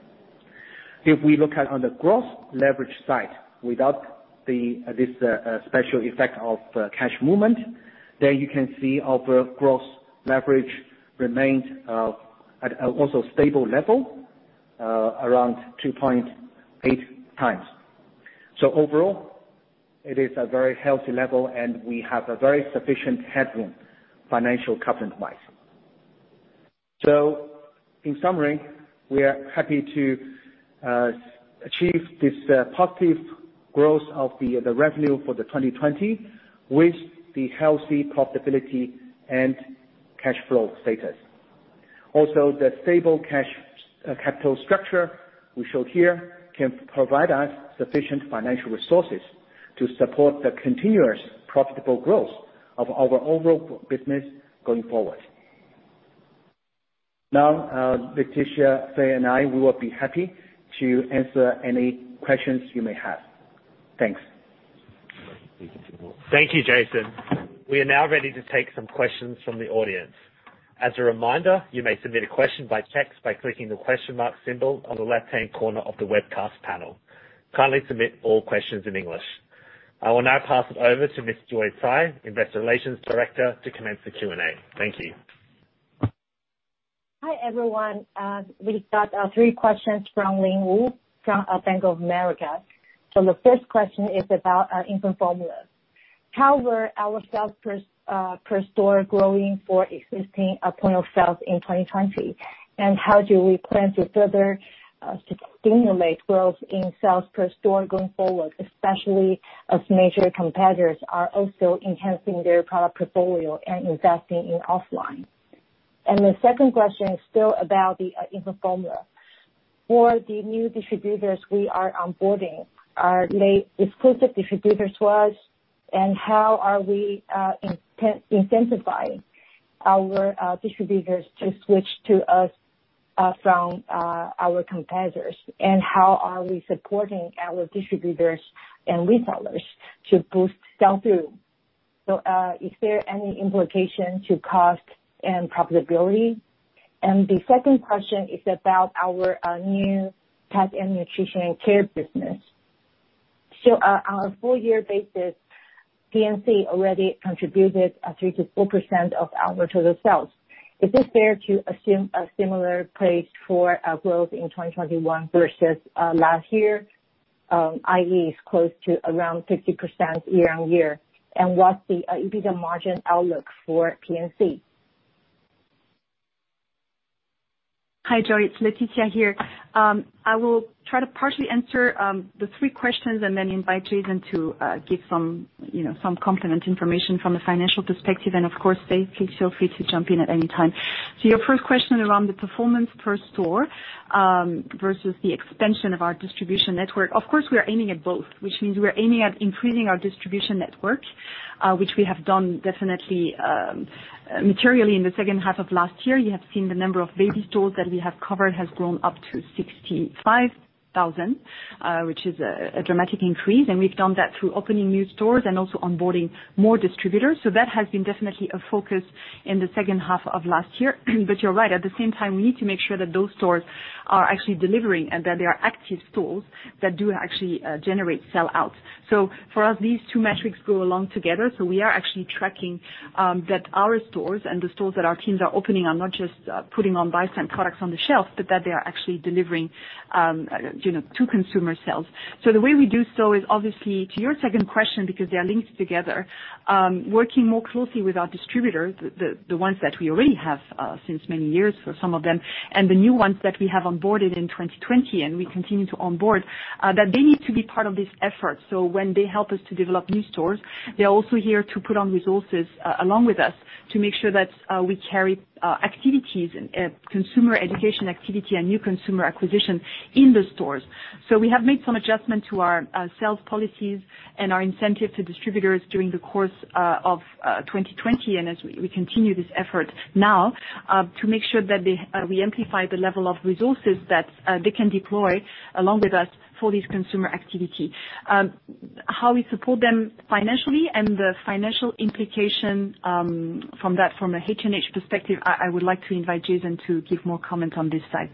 If we look at on the gross leverage side, without this special effect of cash movement, then you can see our gross leverage remained at also stable level, around 2.8x. Overall, it is a very healthy level, and we have a very sufficient headroom, financial covenant-wise. In summary, we are happy to achieve this positive growth of the revenue for 2020 with the healthy profitability and cash flow status. Also, the stable cash capital structure we showed here can provide us sufficient financial resources to support the continuous profitable growth of our overall business going forward. Now, Laetitia, Fei, and I, we will be happy to answer any questions you may have. Thanks. Thank you, Jason. We are now ready to take some questions from the audience. As a reminder, you may submit a question by text by clicking the question mark symbol on the left-hand corner of the webcast panel. Kindly submit all questions in English. I will now pass it over to Ms. Joy Tsai, Director of Investor Relations, to commence the Q&A. Thank you. Hi, everyone. We've got three questions from Bank of America. The first question is about infant formula. How were our sales per store growing for existing point of sales in 2020? How do we plan to further stimulate growth in sales per store going forward, especially as major competitors are also enhancing their product portfolio and investing in offline? The second question is still about the infant formula. For the new distributors we are onboarding, are they exclusive distributors to us, and how are we incentivizing our distributors to switch to us from our competitors? How are we supporting our distributors and retailers to boost sell-through? Is there any implication to cost and profitability? The second question is about our new Pet Nutrition and Care business. On a full year basis, PNC already contributed 3%-4% of our total sales. Is it fair to assume a similar pace for growth in 2021 versus last year? I.e., is close to around 50% year-on-year? What's the EBITDA margin outlook for PNC? Hi, Joy. It's Laetitia here. I will try to partially answer the three questions and then invite Jason to give some complementary information from a financial perspective. Of course, Fei, please feel free to jump in at any time. Your first question around the performance per store versus the expansion of our distribution network. Of course, we are aiming at both, which means we are aiming at increasing our distribution network, which we have done definitely materially in the second half of last year. You have seen the number of baby stores that we have covered has grown up to 65,000, which is a dramatic increase, and we've done that through opening new stores and also onboarding more distributors. That has been definitely a focus in the second half of last year. You're right. At the same time, we need to make sure that those stores are actually delivering and that they are active stores that do actually generate sell-outs. For us, these two metrics go along together. We are actually tracking that our stores and the stores that our teams are opening are not just putting on Biostime products on the shelf, but that they are actually delivering to consumer sales. The way we do so is obviously, to your second question, because they are linked together, working more closely with our distributors, the ones that we already have, since many years for some of them, and the new ones that we have onboarded in 2020, and we continue to onboard, that they need to be part of this effort. When they help us to develop new stores, they're also here to put on resources along with us to make sure that we carry activities and consumer education activity and new consumer acquisition in the stores. We have made some adjustment to our sales policies and our incentive to distributors during the course of 2020, and as we continue this effort now, to make sure that we amplify the level of resources that they can deploy along with us for this consumer activity. How we support them financially and the financial implication from that from a Health and Happiness perspective, I would like to invite Jason to give more comment on this side.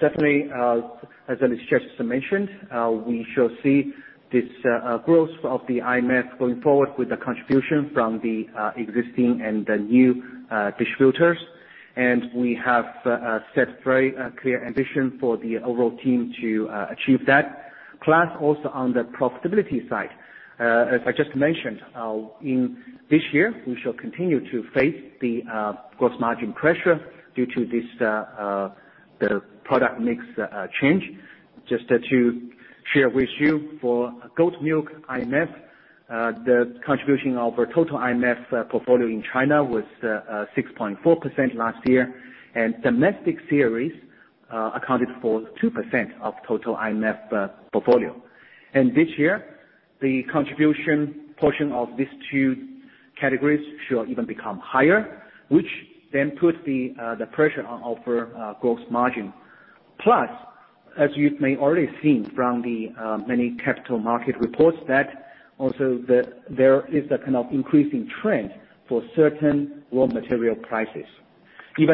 Definitely, as Laetitia just mentioned, we shall see this growth of the IMF going forward with the contribution from the existing and the new distributors. We have set very clear ambition for the overall team to achieve that. Also on the profitability side, as I just mentioned, in this year, we shall continue to face the gross margin pressure due to the product mix change. Just to share with you, for goat milk IMF, the contribution of our total IMF portfolio in China was 6.4% last year, and domestic series accounted for 2% of total IMF portfolio. This year, the contribution portion of these two categories should even become higher, which then puts the pressure on our gross margin. As you may already seen from the many capital market reports that also there is a kind of increasing trend for certain raw material prices. We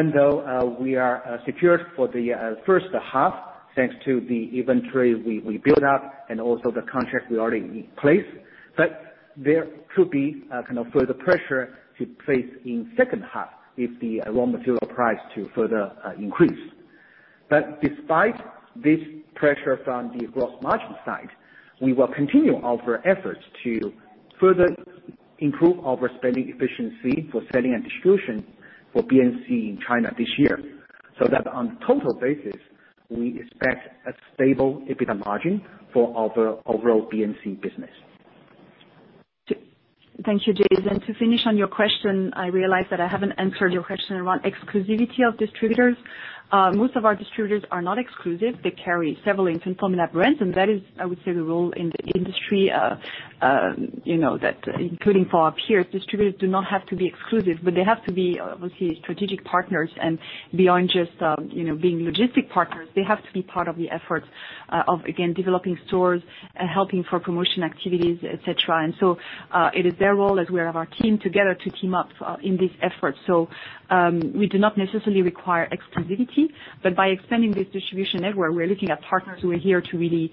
are secured for the first half, thanks to the inventory we built up and also the contract we already in place, there could be a kind of further pressure to place in second half if the raw material price to further increase. Despite this pressure from the gross margin side, we will continue our efforts to further improve our spending efficiency for selling and distribution for PNC in China this year, so that on total basis, we expect a stable EBITDA margin for our overall PNC business. Thank you, Jason. To finish on your question, I realize that I haven't answered your question around exclusivity of distributors. Most of our distributors are not exclusive. That is, I would say, the role in the industry, including for our peers. Distributors do not have to be exclusive. They have to be, obviously, strategic partners and beyond just being logistic partners, they have to be part of the effort of, again, developing stores and helping for promotion activities, et cetera. It is their role as we have our team together to team up in this effort. We do not necessarily require exclusivity, but by expanding this distribution network, we're looking at partners who are here to really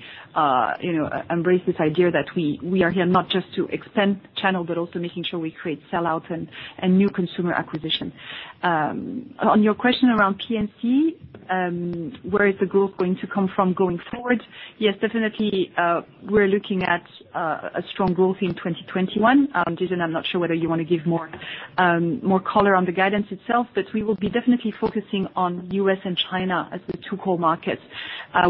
embrace this idea that we are here not just to expand the channel, but also making sure we create sell-out and new consumer acquisition. On your question around PNC, where is the growth going to come from going forward? Yes, definitely, we're looking at a strong growth in 2021. Jason, I'm not sure whether you want to give more color on the guidance itself, but we will be definitely focusing on U.S. and China as the two core markets.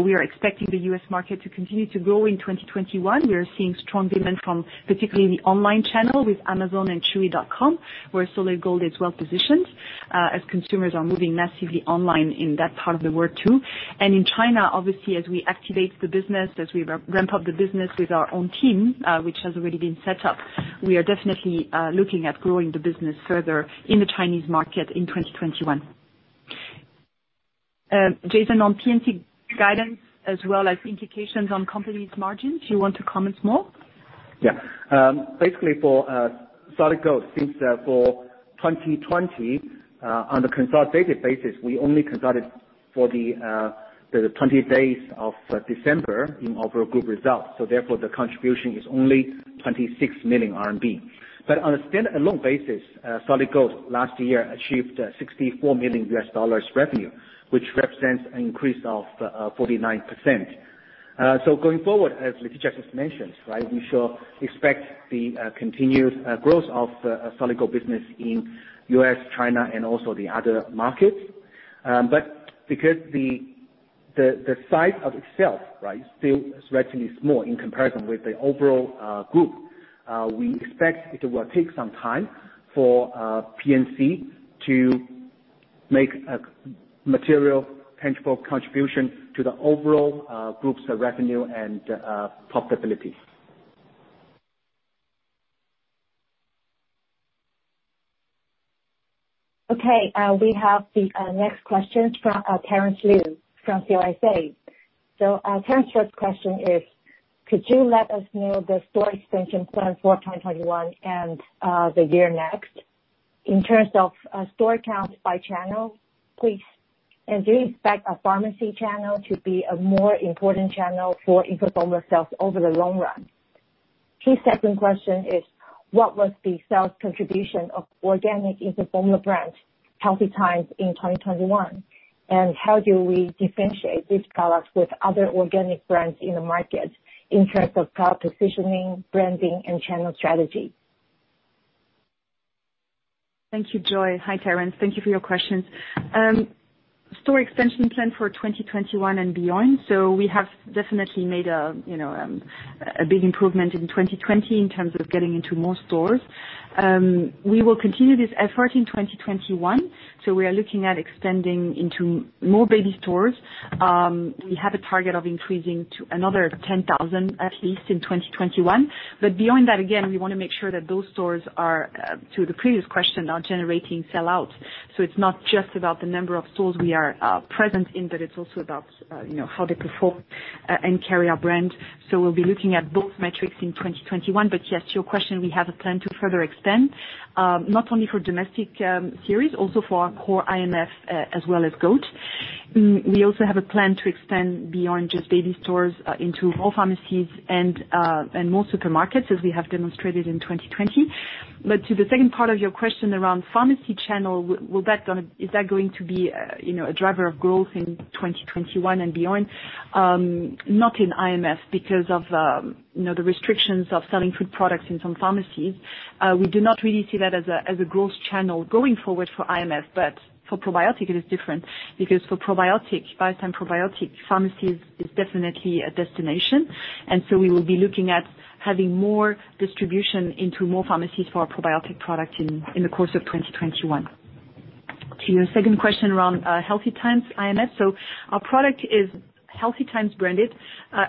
We are expecting the U.S. market to continue to grow in 2021. We are seeing strong demand from particularly the online channel with Amazon and chewy.com, where Solid Gold is well-positioned, as consumers are moving massively online in that part of the world too. In China, obviously, as we activate the business, as we ramp up the business with our own team, which has already been set up, we are definitely looking at growing the business further in the Chinese market in 2021. Jason, on PNC guidance as well as implications on company's margins, you want to comment more? Yeah. Basically, for Solid Gold, since for 2020, on the consolidated basis, we only consolidated for the 20 days of December in our group results. Therefore, the contribution is only 26 million RMB. On a stand-alone basis, Solid Gold last year achieved $64 million U.S. revenue, which represents an increase of 49%. Going forward, as Laetitia just mentioned, right, we shall expect the continued growth of Solid Gold business in U.S., China, and also the other markets. Because the size of itself, right, still is relatively small in comparison with the overall group, we expect it will take some time for PNC to make a material tangible contribution to the overall group's revenue and profitability. Okay. We have the next question from Terrence Liu from CLSA. Terrence's first question is, could you let us know the store expansion plan for 2021 and the year next in terms of store count by channel, please? Do you expect a pharmacy channel to be a more important channel for infant formula sales over the long run? His second question is, what was the sales contribution of organic infant formula brand Healthy Times in 2021? How do we differentiate these products with other organic brands in the market in terms of product positioning, branding, and channel strategy? Thank you, Joy. Hi, Terrence. Thank you for your questions. Store expansion plan for 2021 and beyond. We have definitely made a big improvement in 2020 in terms of getting into more stores. We will continue this effort in 2021. We are looking at extending into more baby stores. We have a target of increasing to another 10,000 stores at least in 2021. Beyond that, again, we want to make sure that those stores are, to the previous question, are generating sellout. It's not just about the number of stores we are present in, but it's also about how they perform and carry our brand. We'll be looking at both metrics in 2021. Yes, to your question, we have a plan to further extend, not only for domestic series, also for our core IMF, as well as goat. We also have a plan to extend beyond just baby stores into more pharmacies and more supermarkets, as we have demonstrated in 2020. To the second part of your question around pharmacy channel, is that going to be a driver of growth in 2021 and beyond? Not in IMF because of the restrictions of selling food products in some pharmacies. We do not really see that as a growth channel going forward for IMF. For probiotic, it is different because for probiotic, Biostime probiotic, pharmacies is definitely a destination. We will be looking at having more distribution into more pharmacies for our probiotic product in the course of 2021. To your second question around Healthy Times IMF. Our product is Healthy Times branded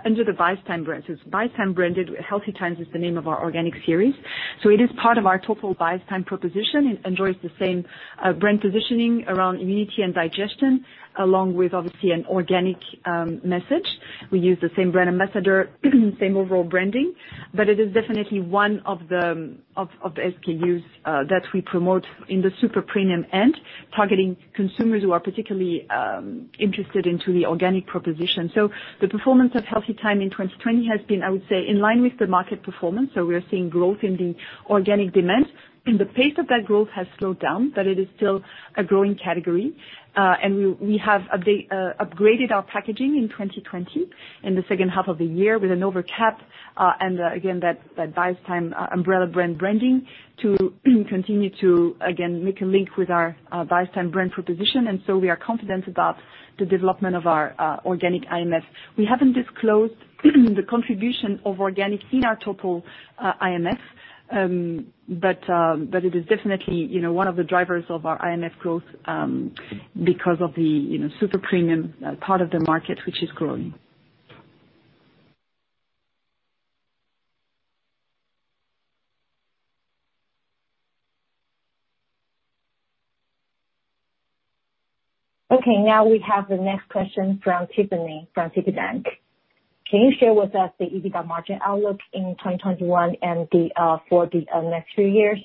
under the Biostime brand. It's Biostime branded. Healthy Times is the name of our organic series. It is part of our total Biostime proposition. It enjoys the same brand positioning around immunity and digestion, along with obviously an organic message. We use the same brand ambassador, same overall branding. It is definitely one of the SKUs that we promote in the super premium end, targeting consumers who are particularly interested into the organic proposition. The performance of Healthy Times in 2020 has been, I would say, in line with the market performance. We are seeing growth in the organic demand. The pace of that growth has slowed down, but it is still a growing category. We have upgraded our packaging in 2020 in the second half of the year with an over cap. Again, that Biostime umbrella brand branding to continue to, again, make a link with our Biostime brand proposition. We are confident about the development of our organic IMF. We haven't disclosed the contribution of organic in our total IMF. It is definitely one of the drivers of our IMF growth because of the super premium part of the market, which is growing. Okay, now we have the next question from Tiffany, from Citi. Can you share with us the EBITDA margin outlook in 2021 and for the next few years?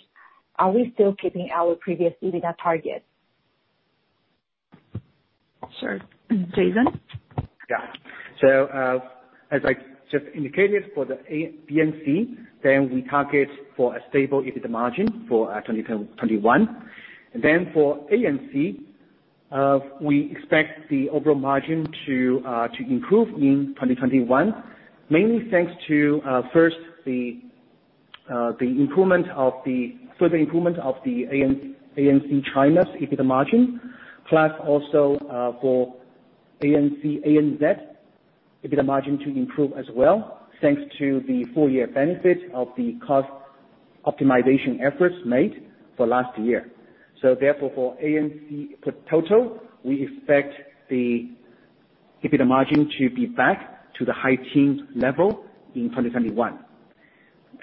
Are we still keeping our previous EBITDA targets? Sure. Jason? As I just indicated for the PNC, we target for a stable EBITDA margin for 2021. For ANC, we expect the overall margin to improve in 2021, mainly thanks to, first the further improvement of the ANC China's EBITDA margin. Also, for ANC, ANZ EBITDA margin to improve as well, thanks to the full year benefit of the cost optimization efforts made for last year. Therefore, for ANC total, we expect the EBITDA margin to be back to the high teens level in 2021.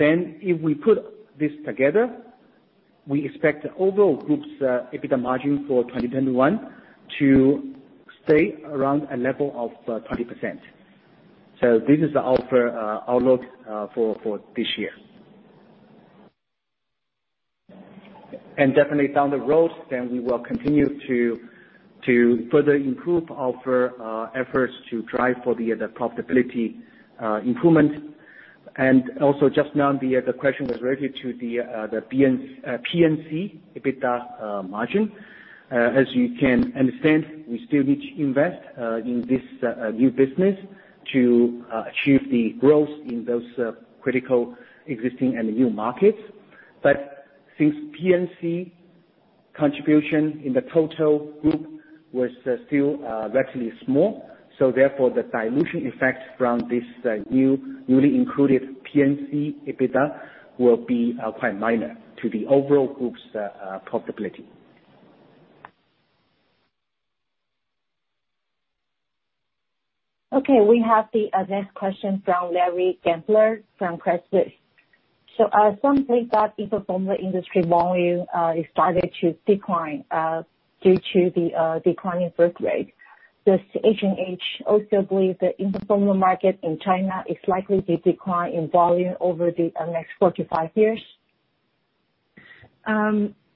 If we put this together, we expect the overall group's EBITDA margin for 2021 to stay around a level of 20%. This is our outlook for this year. Definitely down the road, we will continue to further improve our efforts to drive for the other profitability improvement. Also just now, the question was related to the PNC EBITDA margin. As you can understand, we still need to invest in this new business to achieve the growth in those critical existing and new markets. Since PNC contribution in the total group was still relatively small, therefore the dilution effect from this newly included PNC EBITDA will be quite minor to the overall group's profitability. Okay, we have the next question from Larry Gempler from Credit Suisse. Some say that infant formula industry volume is started to decline due to the declining birth rate. Does H&H also believe that infant formula market in China is likely to decline in volume over the next four to five years?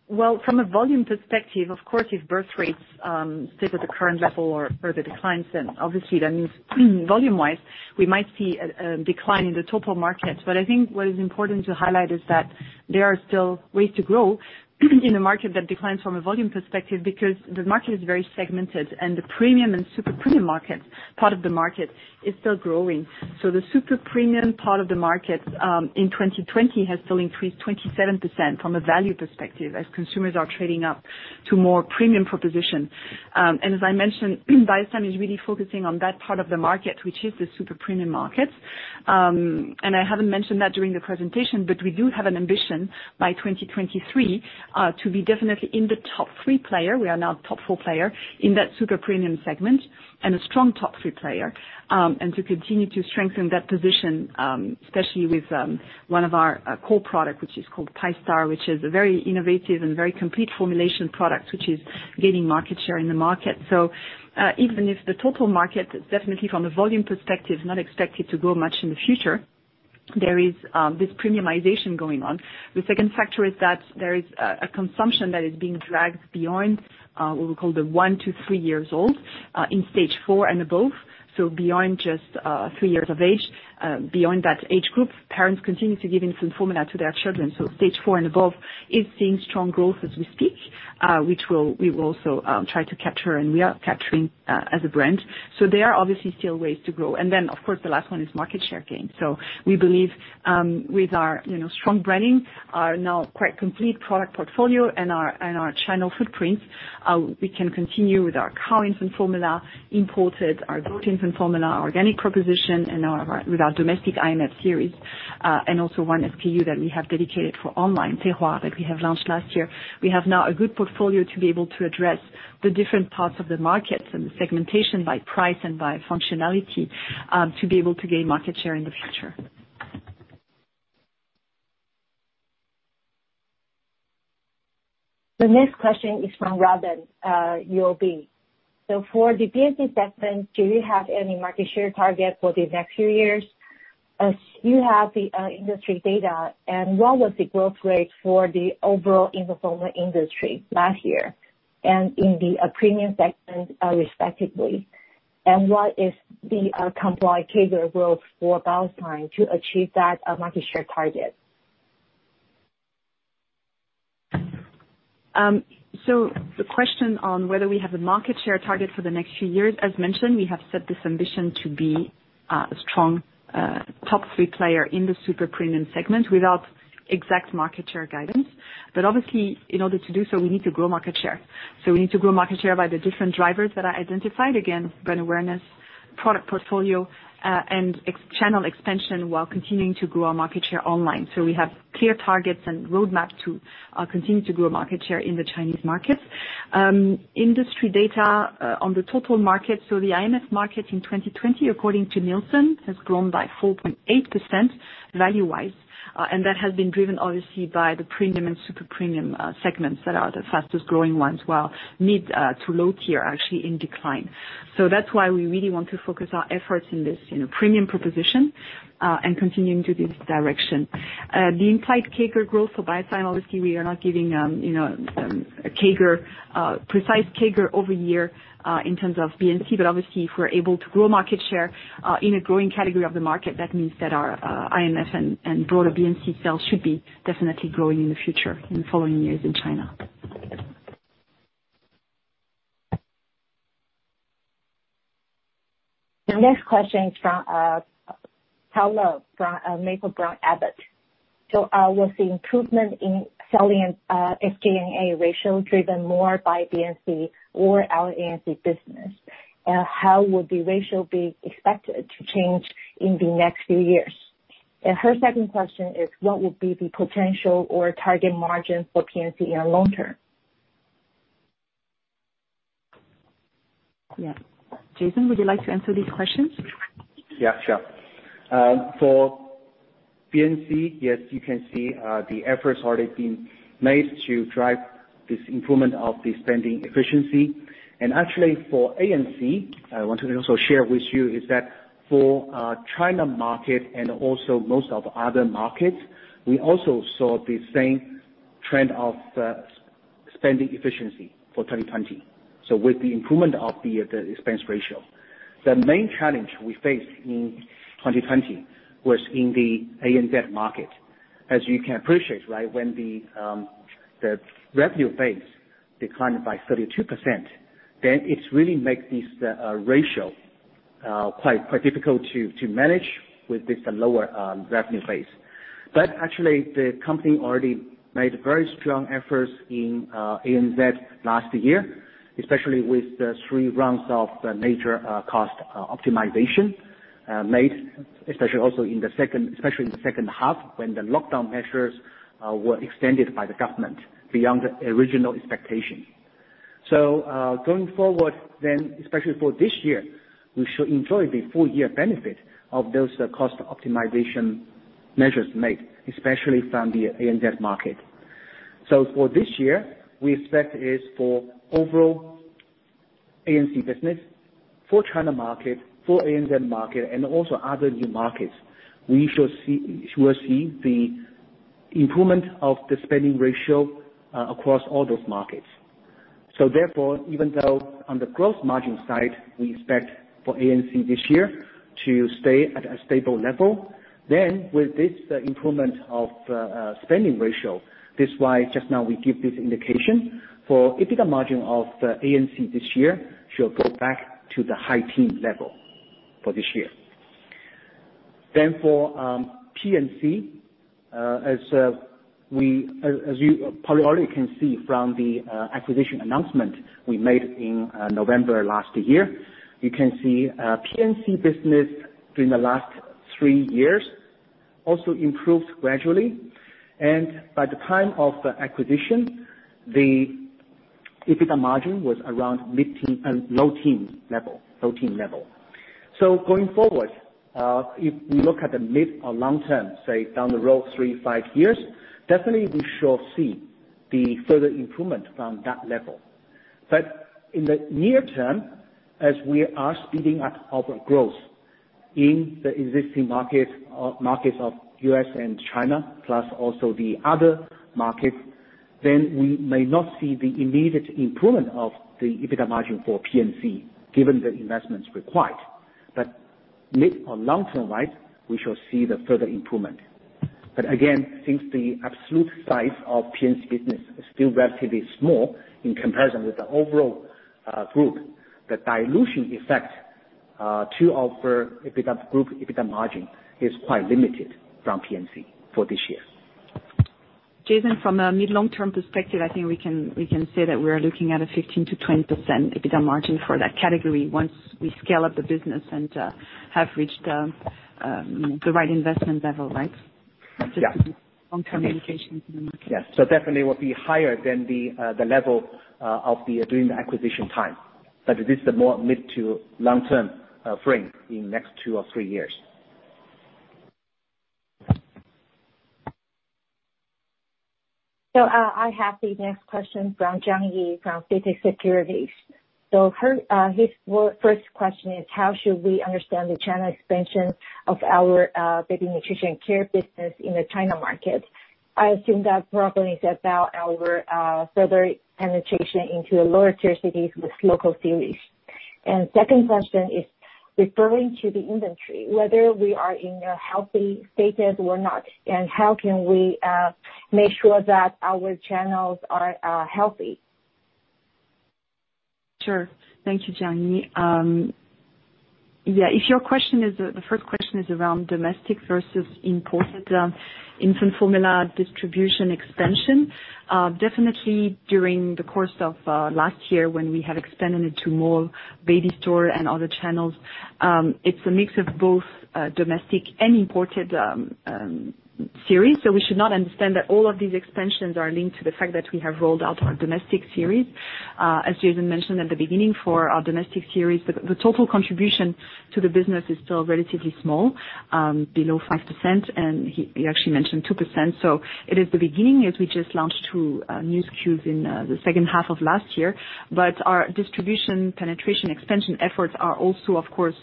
Well, from a volume perspective, of course, if birth rates stay at the current level or further declines, obviously that means volume-wise, we might see a decline in the total market. I think what is important to highlight is that there are still ways to grow in a market that declines from a volume perspective, because the market is very segmented and the premium and super premium markets, part of the market, is still growing. The super premium part of the market, in 2020 has still increased 27% from a value perspective as consumers are trading up to more premium proposition. As I mentioned, Biostime is really focusing on that part of the market, which is the super premium market. I haven't mentioned that during the presentation, but we do have an ambition by 2023, to be definitely in the top three player, we are now top four player in that super premium segment and a strong top three player. To continue to strengthen that position, especially with one of our core product, which is called Pi-Star, which is a very innovative and very complete formulation product, which is gaining market share in the market. Even if the total market is definitely from a volume perspective, not expected to grow much in the future, there is this premiumization going on. The second factor is that there is a consumption that is being dragged beyond what we call the one to three years old, in Stage 4 and above. Beyond just three years of age, beyond that age group, parents continue to give infant formula to their children. Stage 4 and above is seeing strong growth as we speak, which we will also try to capture, and we are capturing as a brand. Of course, the last one is market share gain. We believe, with our strong branding, our now quite complete product portfolio and our channel footprints, we can continue with our cow infant formula, imported, our goat infant formula, organic proposition, and with our domestic IMF series, and also one SKU that we have dedicated for online, Tehua, that we have launched last year. We have now a good portfolio to be able to address the different parts of the market and the segmentation by price and by functionality, to be able to gain market share in the future. The next question is from Robin, UOB. For the BNC segment, do you have any market share target for the next few years? As you have the industry data, what was the growth rate for the overall infant formula industry last year and in the premium segment, respectively? What is the compound annual growth for Biostime to achieve that market share target? The question on whether we have a market share target for the next few years. As mentioned, we have set this ambition to be a strong, top three player in the super premium segment without exact market share guidance. Obviously, in order to do so, we need to grow market share. We need to grow market share by the different drivers that I identified. Again, brand awareness, product portfolio, and channel expansion while continuing to grow our market share online. We have clear targets and roadmap to continue to grow market share in the Chinese market. Industry data on the total market. The IMF market in 2020, according to Nielsen, has grown by 4.8% value-wise. That has been driven obviously, by the premium and super premium segments that are the fastest-growing ones, while mid to low tier are actually in decline. That's why we really want to focus our efforts in this premium proposition, and continuing to this direction. The implied CAGR growth for Biostime, obviously we are not giving a precise CAGR over year, in terms of BNC. Obviously if we're able to grow market share, in a growing category of the market, that means that our IMF and broader BNC sales should be definitely growing in the future, in following years in China. The next question is from Paula from Maple-Brown Abbott. Was the improvement in selling SG&A ratio driven more by BNC or our ANC business? How would the ratio be expected to change in the next few years? Her second question is, what would be the potential or target margin for BNC in the long term? Yeah. Jason, would you like to answer these questions? Yeah, sure. For BNC, yes, you can see the efforts already been made to drive this improvement of the spending efficiency. Actually for ANC, I want to also share with you is that for China market and also most of other markets, we also saw the same trend of spending efficiency for 2020, with the improvement of the expense ratio. The main challenge we faced in 2020 was in the ANZ market. As you can appreciate, right, when the revenue base declined by 32%, it really makes this ratio quite difficult to manage with this lower revenue base. Actually, the company already made very strong efforts in ANZ last year, especially with the three rounds of major cost optimization made, especially in the second half when the lockdown measures were extended by the government beyond the original expectation. Going forward then, especially for this year, we should enjoy the full year benefit of those cost optimization measures made, especially from the ANZ market. For this year, we expect is for overall ANC business for China market, for ANZ market, and also other new markets, we shall see the improvement of the spending ratio across all those markets. Therefore, even though on the growth margin side, we expect for ANC this year to stay at a stable level, then with this improvement of spending ratio, this is why just now we give this indication for EBITDA margin of ANC this year should go back to the high teen level for this year. For PNC, as you probably already can see from the acquisition announcement we made in November last year, you can see PNC business during the last three years also improved gradually. By the time of the acquisition, the EBITDA margin was around low teen level. Going forward, if we look at the mid or long term, say down the road three, five years, definitely we shall see the further improvement from that level. In the near term, as we are speeding up our growth in the existing markets of U.S. and China, plus also the other markets, then we may not see the immediate improvement of the EBITDA margin for PNC given the investments required. Mid or long-term, we shall see the further improvement. Again, since the absolute size of PNC business is still relatively small in comparison with the overall group, the dilution effect to our group EBITDA margin is quite limited from PNC for this year. Jason, from a mid, long-term perspective, I think we can say that we're looking at a 15%-20% EBITDA margin for that category once we scale up the business and have reached the right investment level, right? Yeah. Just long-term indications in the market. Yes. Definitely will be higher than the level during the acquisition time. This is a more mid to long-term frame in next two or three years. I have the next question from Jiang Yi from CITIC Securities. His first question is, how should we understand the China expansion of our baby nutrition care business in the China market? I assume that probably is about our further penetration into lower tier cities with local series. Second question is referring to the inventory, whether we are in a healthy status or not, and how can we make sure that our channels are healthy? Thank you, Jiang Yi. The first question is around domestic versus imported infant formula distribution expansion, definitely during the course of last year when we have expanded to more baby store and other channels, it's a mix of both domestic and imported series. We should not understand that all of these expansions are linked to the fact that we have rolled out our domestic series. As Jason mentioned at the beginning, for our domestic series, the total contribution to the business is still relatively small, below 5%, and he actually mentioned 2%. It is the beginning, as we just launched two new SKUs in the second half of last year. Our distribution penetration expansion efforts are also, of course,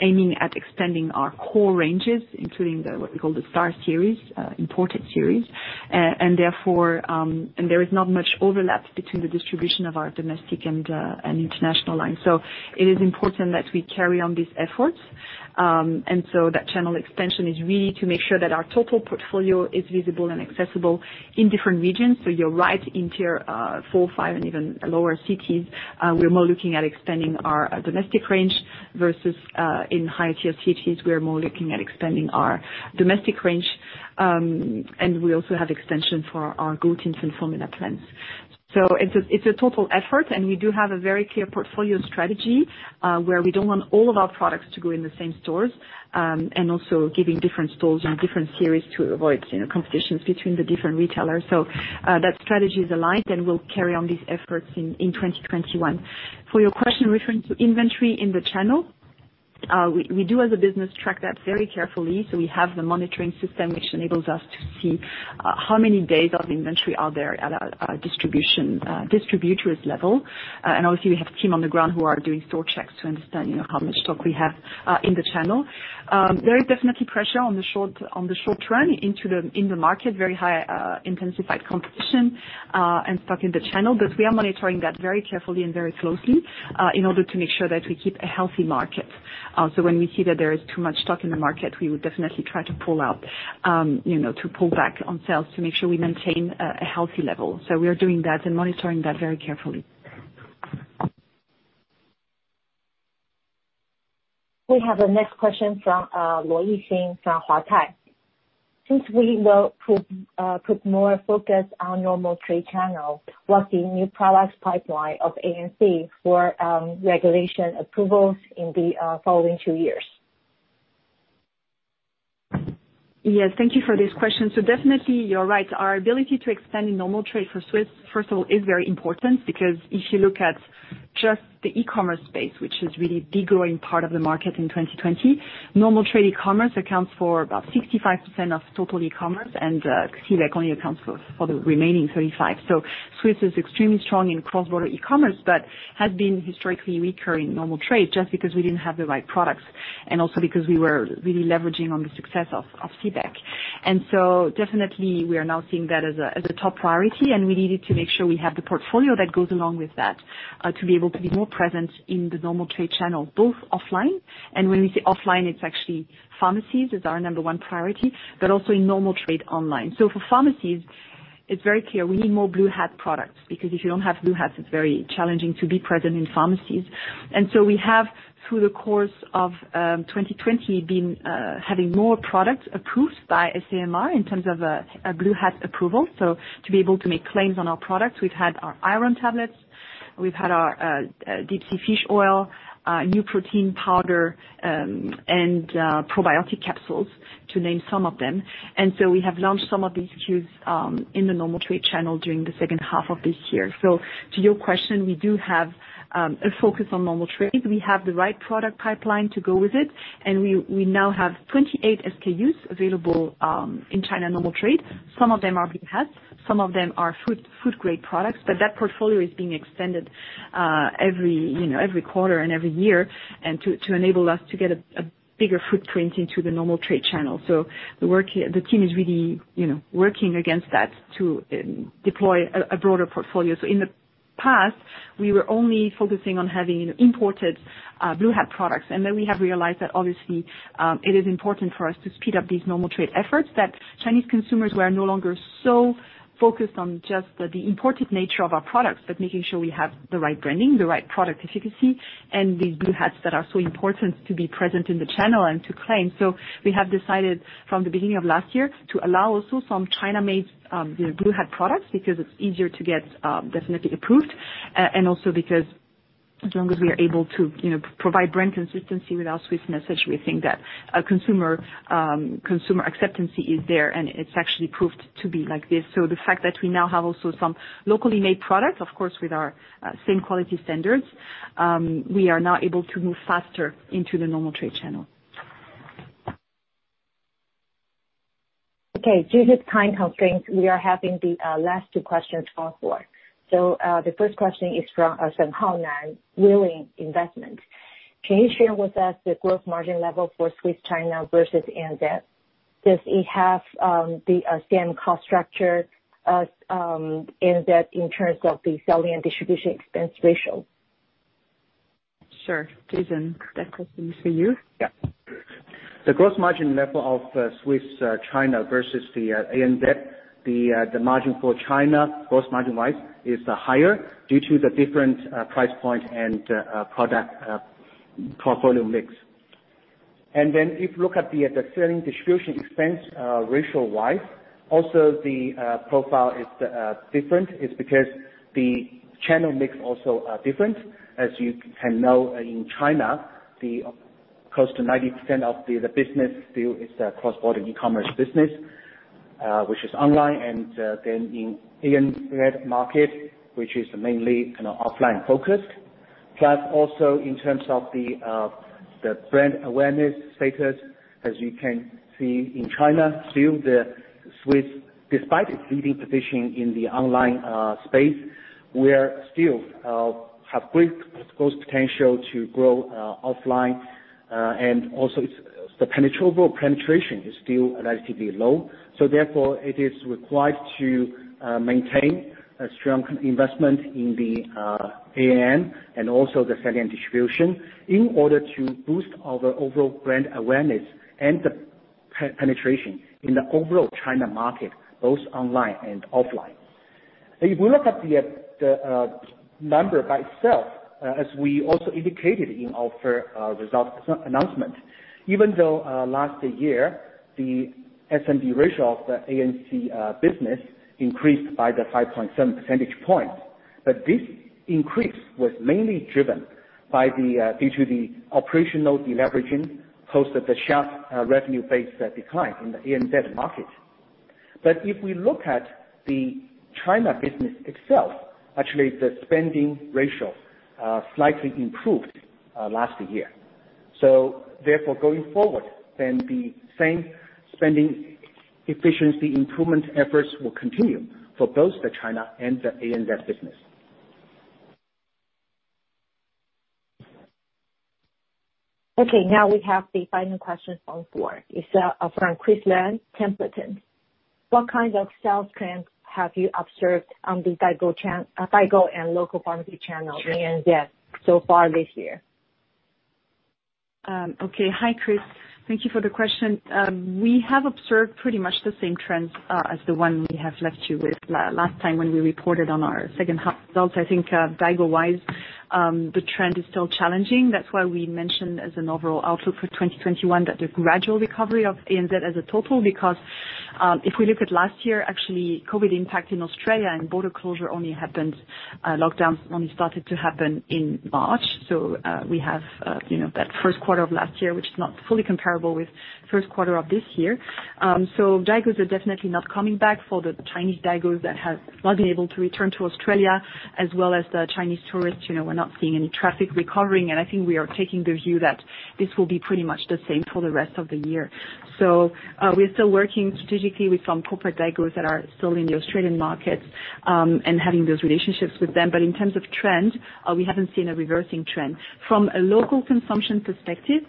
aiming at extending our core ranges, including what we call the Star Series, imported series, and therefore there is not much overlap between the distribution of our domestic and international line. It is important that we carry on these efforts. That channel expansion is really to make sure that our total portfolio is visible and accessible in different regions. You're right, in tier 4, tier 5, and even lower cities, we're more looking at expanding our domestic range versus in higher tier cities, we're more looking at expanding our domestic range. We also have extension for our goat infant formula plans. It's a total effort, and we do have a very clear portfolio strategy, where we don't want all of our products to go in the same stores, and also giving different stores on different series to avoid competitions between the different retailers. That strategy is aligned, and we'll carry on these efforts in 2021. For your question referring to inventory in the channel, we do as a business track that very carefully. We have the monitoring system which enables us to see how many days of inventory are there at a distributor's level. Obviously, we have team on the ground who are doing store checks to understand how much stock we have in the channel. There is definitely pressure on the short run in the market, very high intensified competition and stock in the channel. We are monitoring that very carefully and very closely in order to make sure that we keep a healthy market. When we see that there is too much stock in the market, we would definitely try to pull back on sales to make sure we maintain a healthy level. We are doing that and monitoring that very carefully. We have the next question from Lo Yixing from Huatai. Since we will put more focus on normal trade channel, what's the new product pipeline of ANC for regulation approvals in the following two years? Yes. Thank you for this question. Definitely you're right. Our ability to expand in normal trade for Swisse, first of all, is very important because if you look at just the e-commerce space, which is really the growing part of the market in 2020, normal trade e-commerce accounts for about 65% of total e-commerce and cross-border only accounts for the remaining 35%. Swisse is extremely strong in cross-border e-commerce, but has been historically weaker in normal trade just because we didn't have the right products. And also because we were really leveraging on the success of CBEC. Definitely, we are now seeing that as a top priority, and we needed to make sure we have the portfolio that goes along with that, to be able to be more present in the normal trade channel, both offline, and when we say offline, it is actually pharmacies is our number one priority, but also in normal trade online. For pharmacies, it is very clear we need more Blue Hat products, because if you don't have Blue Hats, it is very challenging to be present in pharmacies. We have, through the course of 2020, been having more products approved by SAMR in terms of a Blue Hat approval. To be able to make claims on our products, we've had our iron tablets, we've had our deep-sea fish oil, new protein powder, and probiotic capsules, to name some of them. We have launched some of these SKUs in the normal trade channel during the second half of this year. To your question, we do have a focus on normal trade. We have the right product pipeline to go with it, and we now have 28 SKUs available in China normal trade. Some of them are Blue Hat, some of them are food-grade products, but that portfolio is being extended every quarter and every year and to enable us to get a bigger footprint into the normal trade channel. The team is really working against that to deploy a broader portfolio. In the past, we were only focusing on having imported Blue Hat products, and then we have realized that obviously, it is important for us to speed up these normal trade efforts, that Chinese consumers were no longer so focused on just the imported nature of our products, but making sure we have the right branding, the right product efficacy, and these Blue Hats that are so important to be present in the channel and to claim. We have decided from the beginning of last year to allow also some China-made Blue Hat products, because it's easier to get definitely approved, and also because as long as we are able to provide brand consistency with our Swisse message, we think that consumer acceptance is there, and it's actually proved to be like this. The fact that we now have also some locally made products, of course, with our same quality standards, we are now able to move faster into the normal trade channel. Okay. Due to time constraints, we are having the last two questions on floor. The first question is from Shen Haonan, Willing Investment. Can you share with us the gross margin level for Swisse China versus ANZ? Does it have the same cost structure as ANZ in terms of the selling and distribution expense ratio? Sure. Jason, that question is for you. Yeah. The gross margin level of Swisse China versus the ANZ, the margin for China, gross margin-wise, is higher due to the different price point and product portfolio mix. If you look at the selling distribution expense ratio-wise, also the profile is different. It's because the channel mix also are different. As you can know, in China, close to 90% of the business still is cross-border e-commerce business, which is online, in ANZ market, which is mainly offline-focused. Plus, also in terms of the brand awareness status, as you can see in China, still the Swisse, despite its leading position in the online space, we still have great growth potential to grow offline. Also, the penetrable penetration is still relatively low. Therefore, it is required to maintain a strong investment in the ANC and also the selling and distribution in order to boost our overall brand awareness and the penetration in the overall China market, both online and offline. If you look at the number by itself, as we also indicated in our results announcement, even though last year the S&D ratio of the ANC business increased by the 5.7 percentage point. This increase was mainly driven due to the operational deleveraging cost of the sharp revenue-based decline in the ANZ market. If we look at the China business itself, actually the spending ratio slightly improved last year. Therefore going forward, the same spending efficiency improvement efforts will continue for both the China and the ANZ business. Okay, now we have the final question on floor. It's from Chris Lan, Templeton. What kind of sales trends have you observed on the Daigou and local pharmacy channel in ANZ so far this year? Okay. Hi, Chris. Thank you for the question. We have observed pretty much the same trends as the one we have left you with last time when we reported on our second half results. I think Daigou-wise, the trend is still challenging. That's why we mentioned as an overall outlook for 2021 that the gradual recovery of ANZ as a total because, if we look at last year, actually, COVID impact in Australia and border closure only happened, lockdowns only started to happen in March. We have that first quarter of last year, which is not fully comparable with first quarter of this year. Daigous are definitely not coming back for the Chinese Daigous that wasn't able to return to Australia as well as the Chinese tourists. We're not seeing any traffic recovering, and I think we are taking the view that this will be pretty much the same for the rest of the year. We're still working strategically with some corporate Daigou that are still in the Australian market, and having those relationships with them. But in terms of trend, we haven't seen a reversing trend. From a local consumption perspective,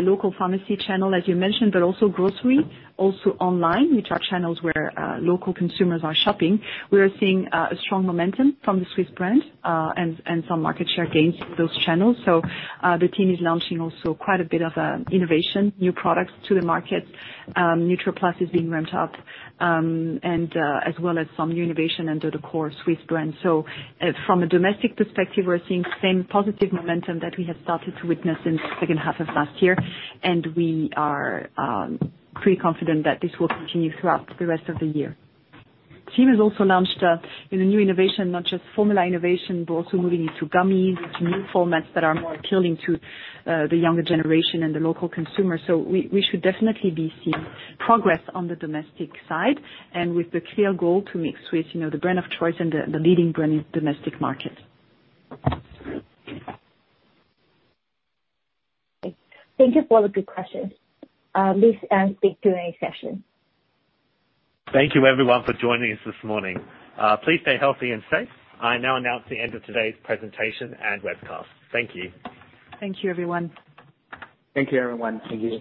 local pharmacy channel, as you mentioned, but also grocery, also online, which are channels where local consumers are shopping. We are seeing a strong momentum from the Swisse brand, and some market share gains for those channels. The team is launching also quite a bit of innovation, new products to the market. Nutra+ is being ramped up, and as well as some new innovation under the core Swisse brand. From a domestic perspective, we're seeing same positive momentum that we have started to witness in the second half of last year, and we are pretty confident that this will continue throughout the rest of the year. Team has also launched a new innovation, not just formula innovation, but also moving into gummies, which are new formats that are more appealing to the younger generation and the local consumer. We should definitely be seeing progress on the domestic side and with the clear goal to make Swisse the brand of choice and the leading brand in domestic markets. Thank you for all the good questions. This ends the Q&A session. Thank you everyone for joining us this morning. Please stay healthy and safe. I now announce the end of today's presentation and webcast. Thank you. Thank you, everyone. Thank you, everyone. Thank you.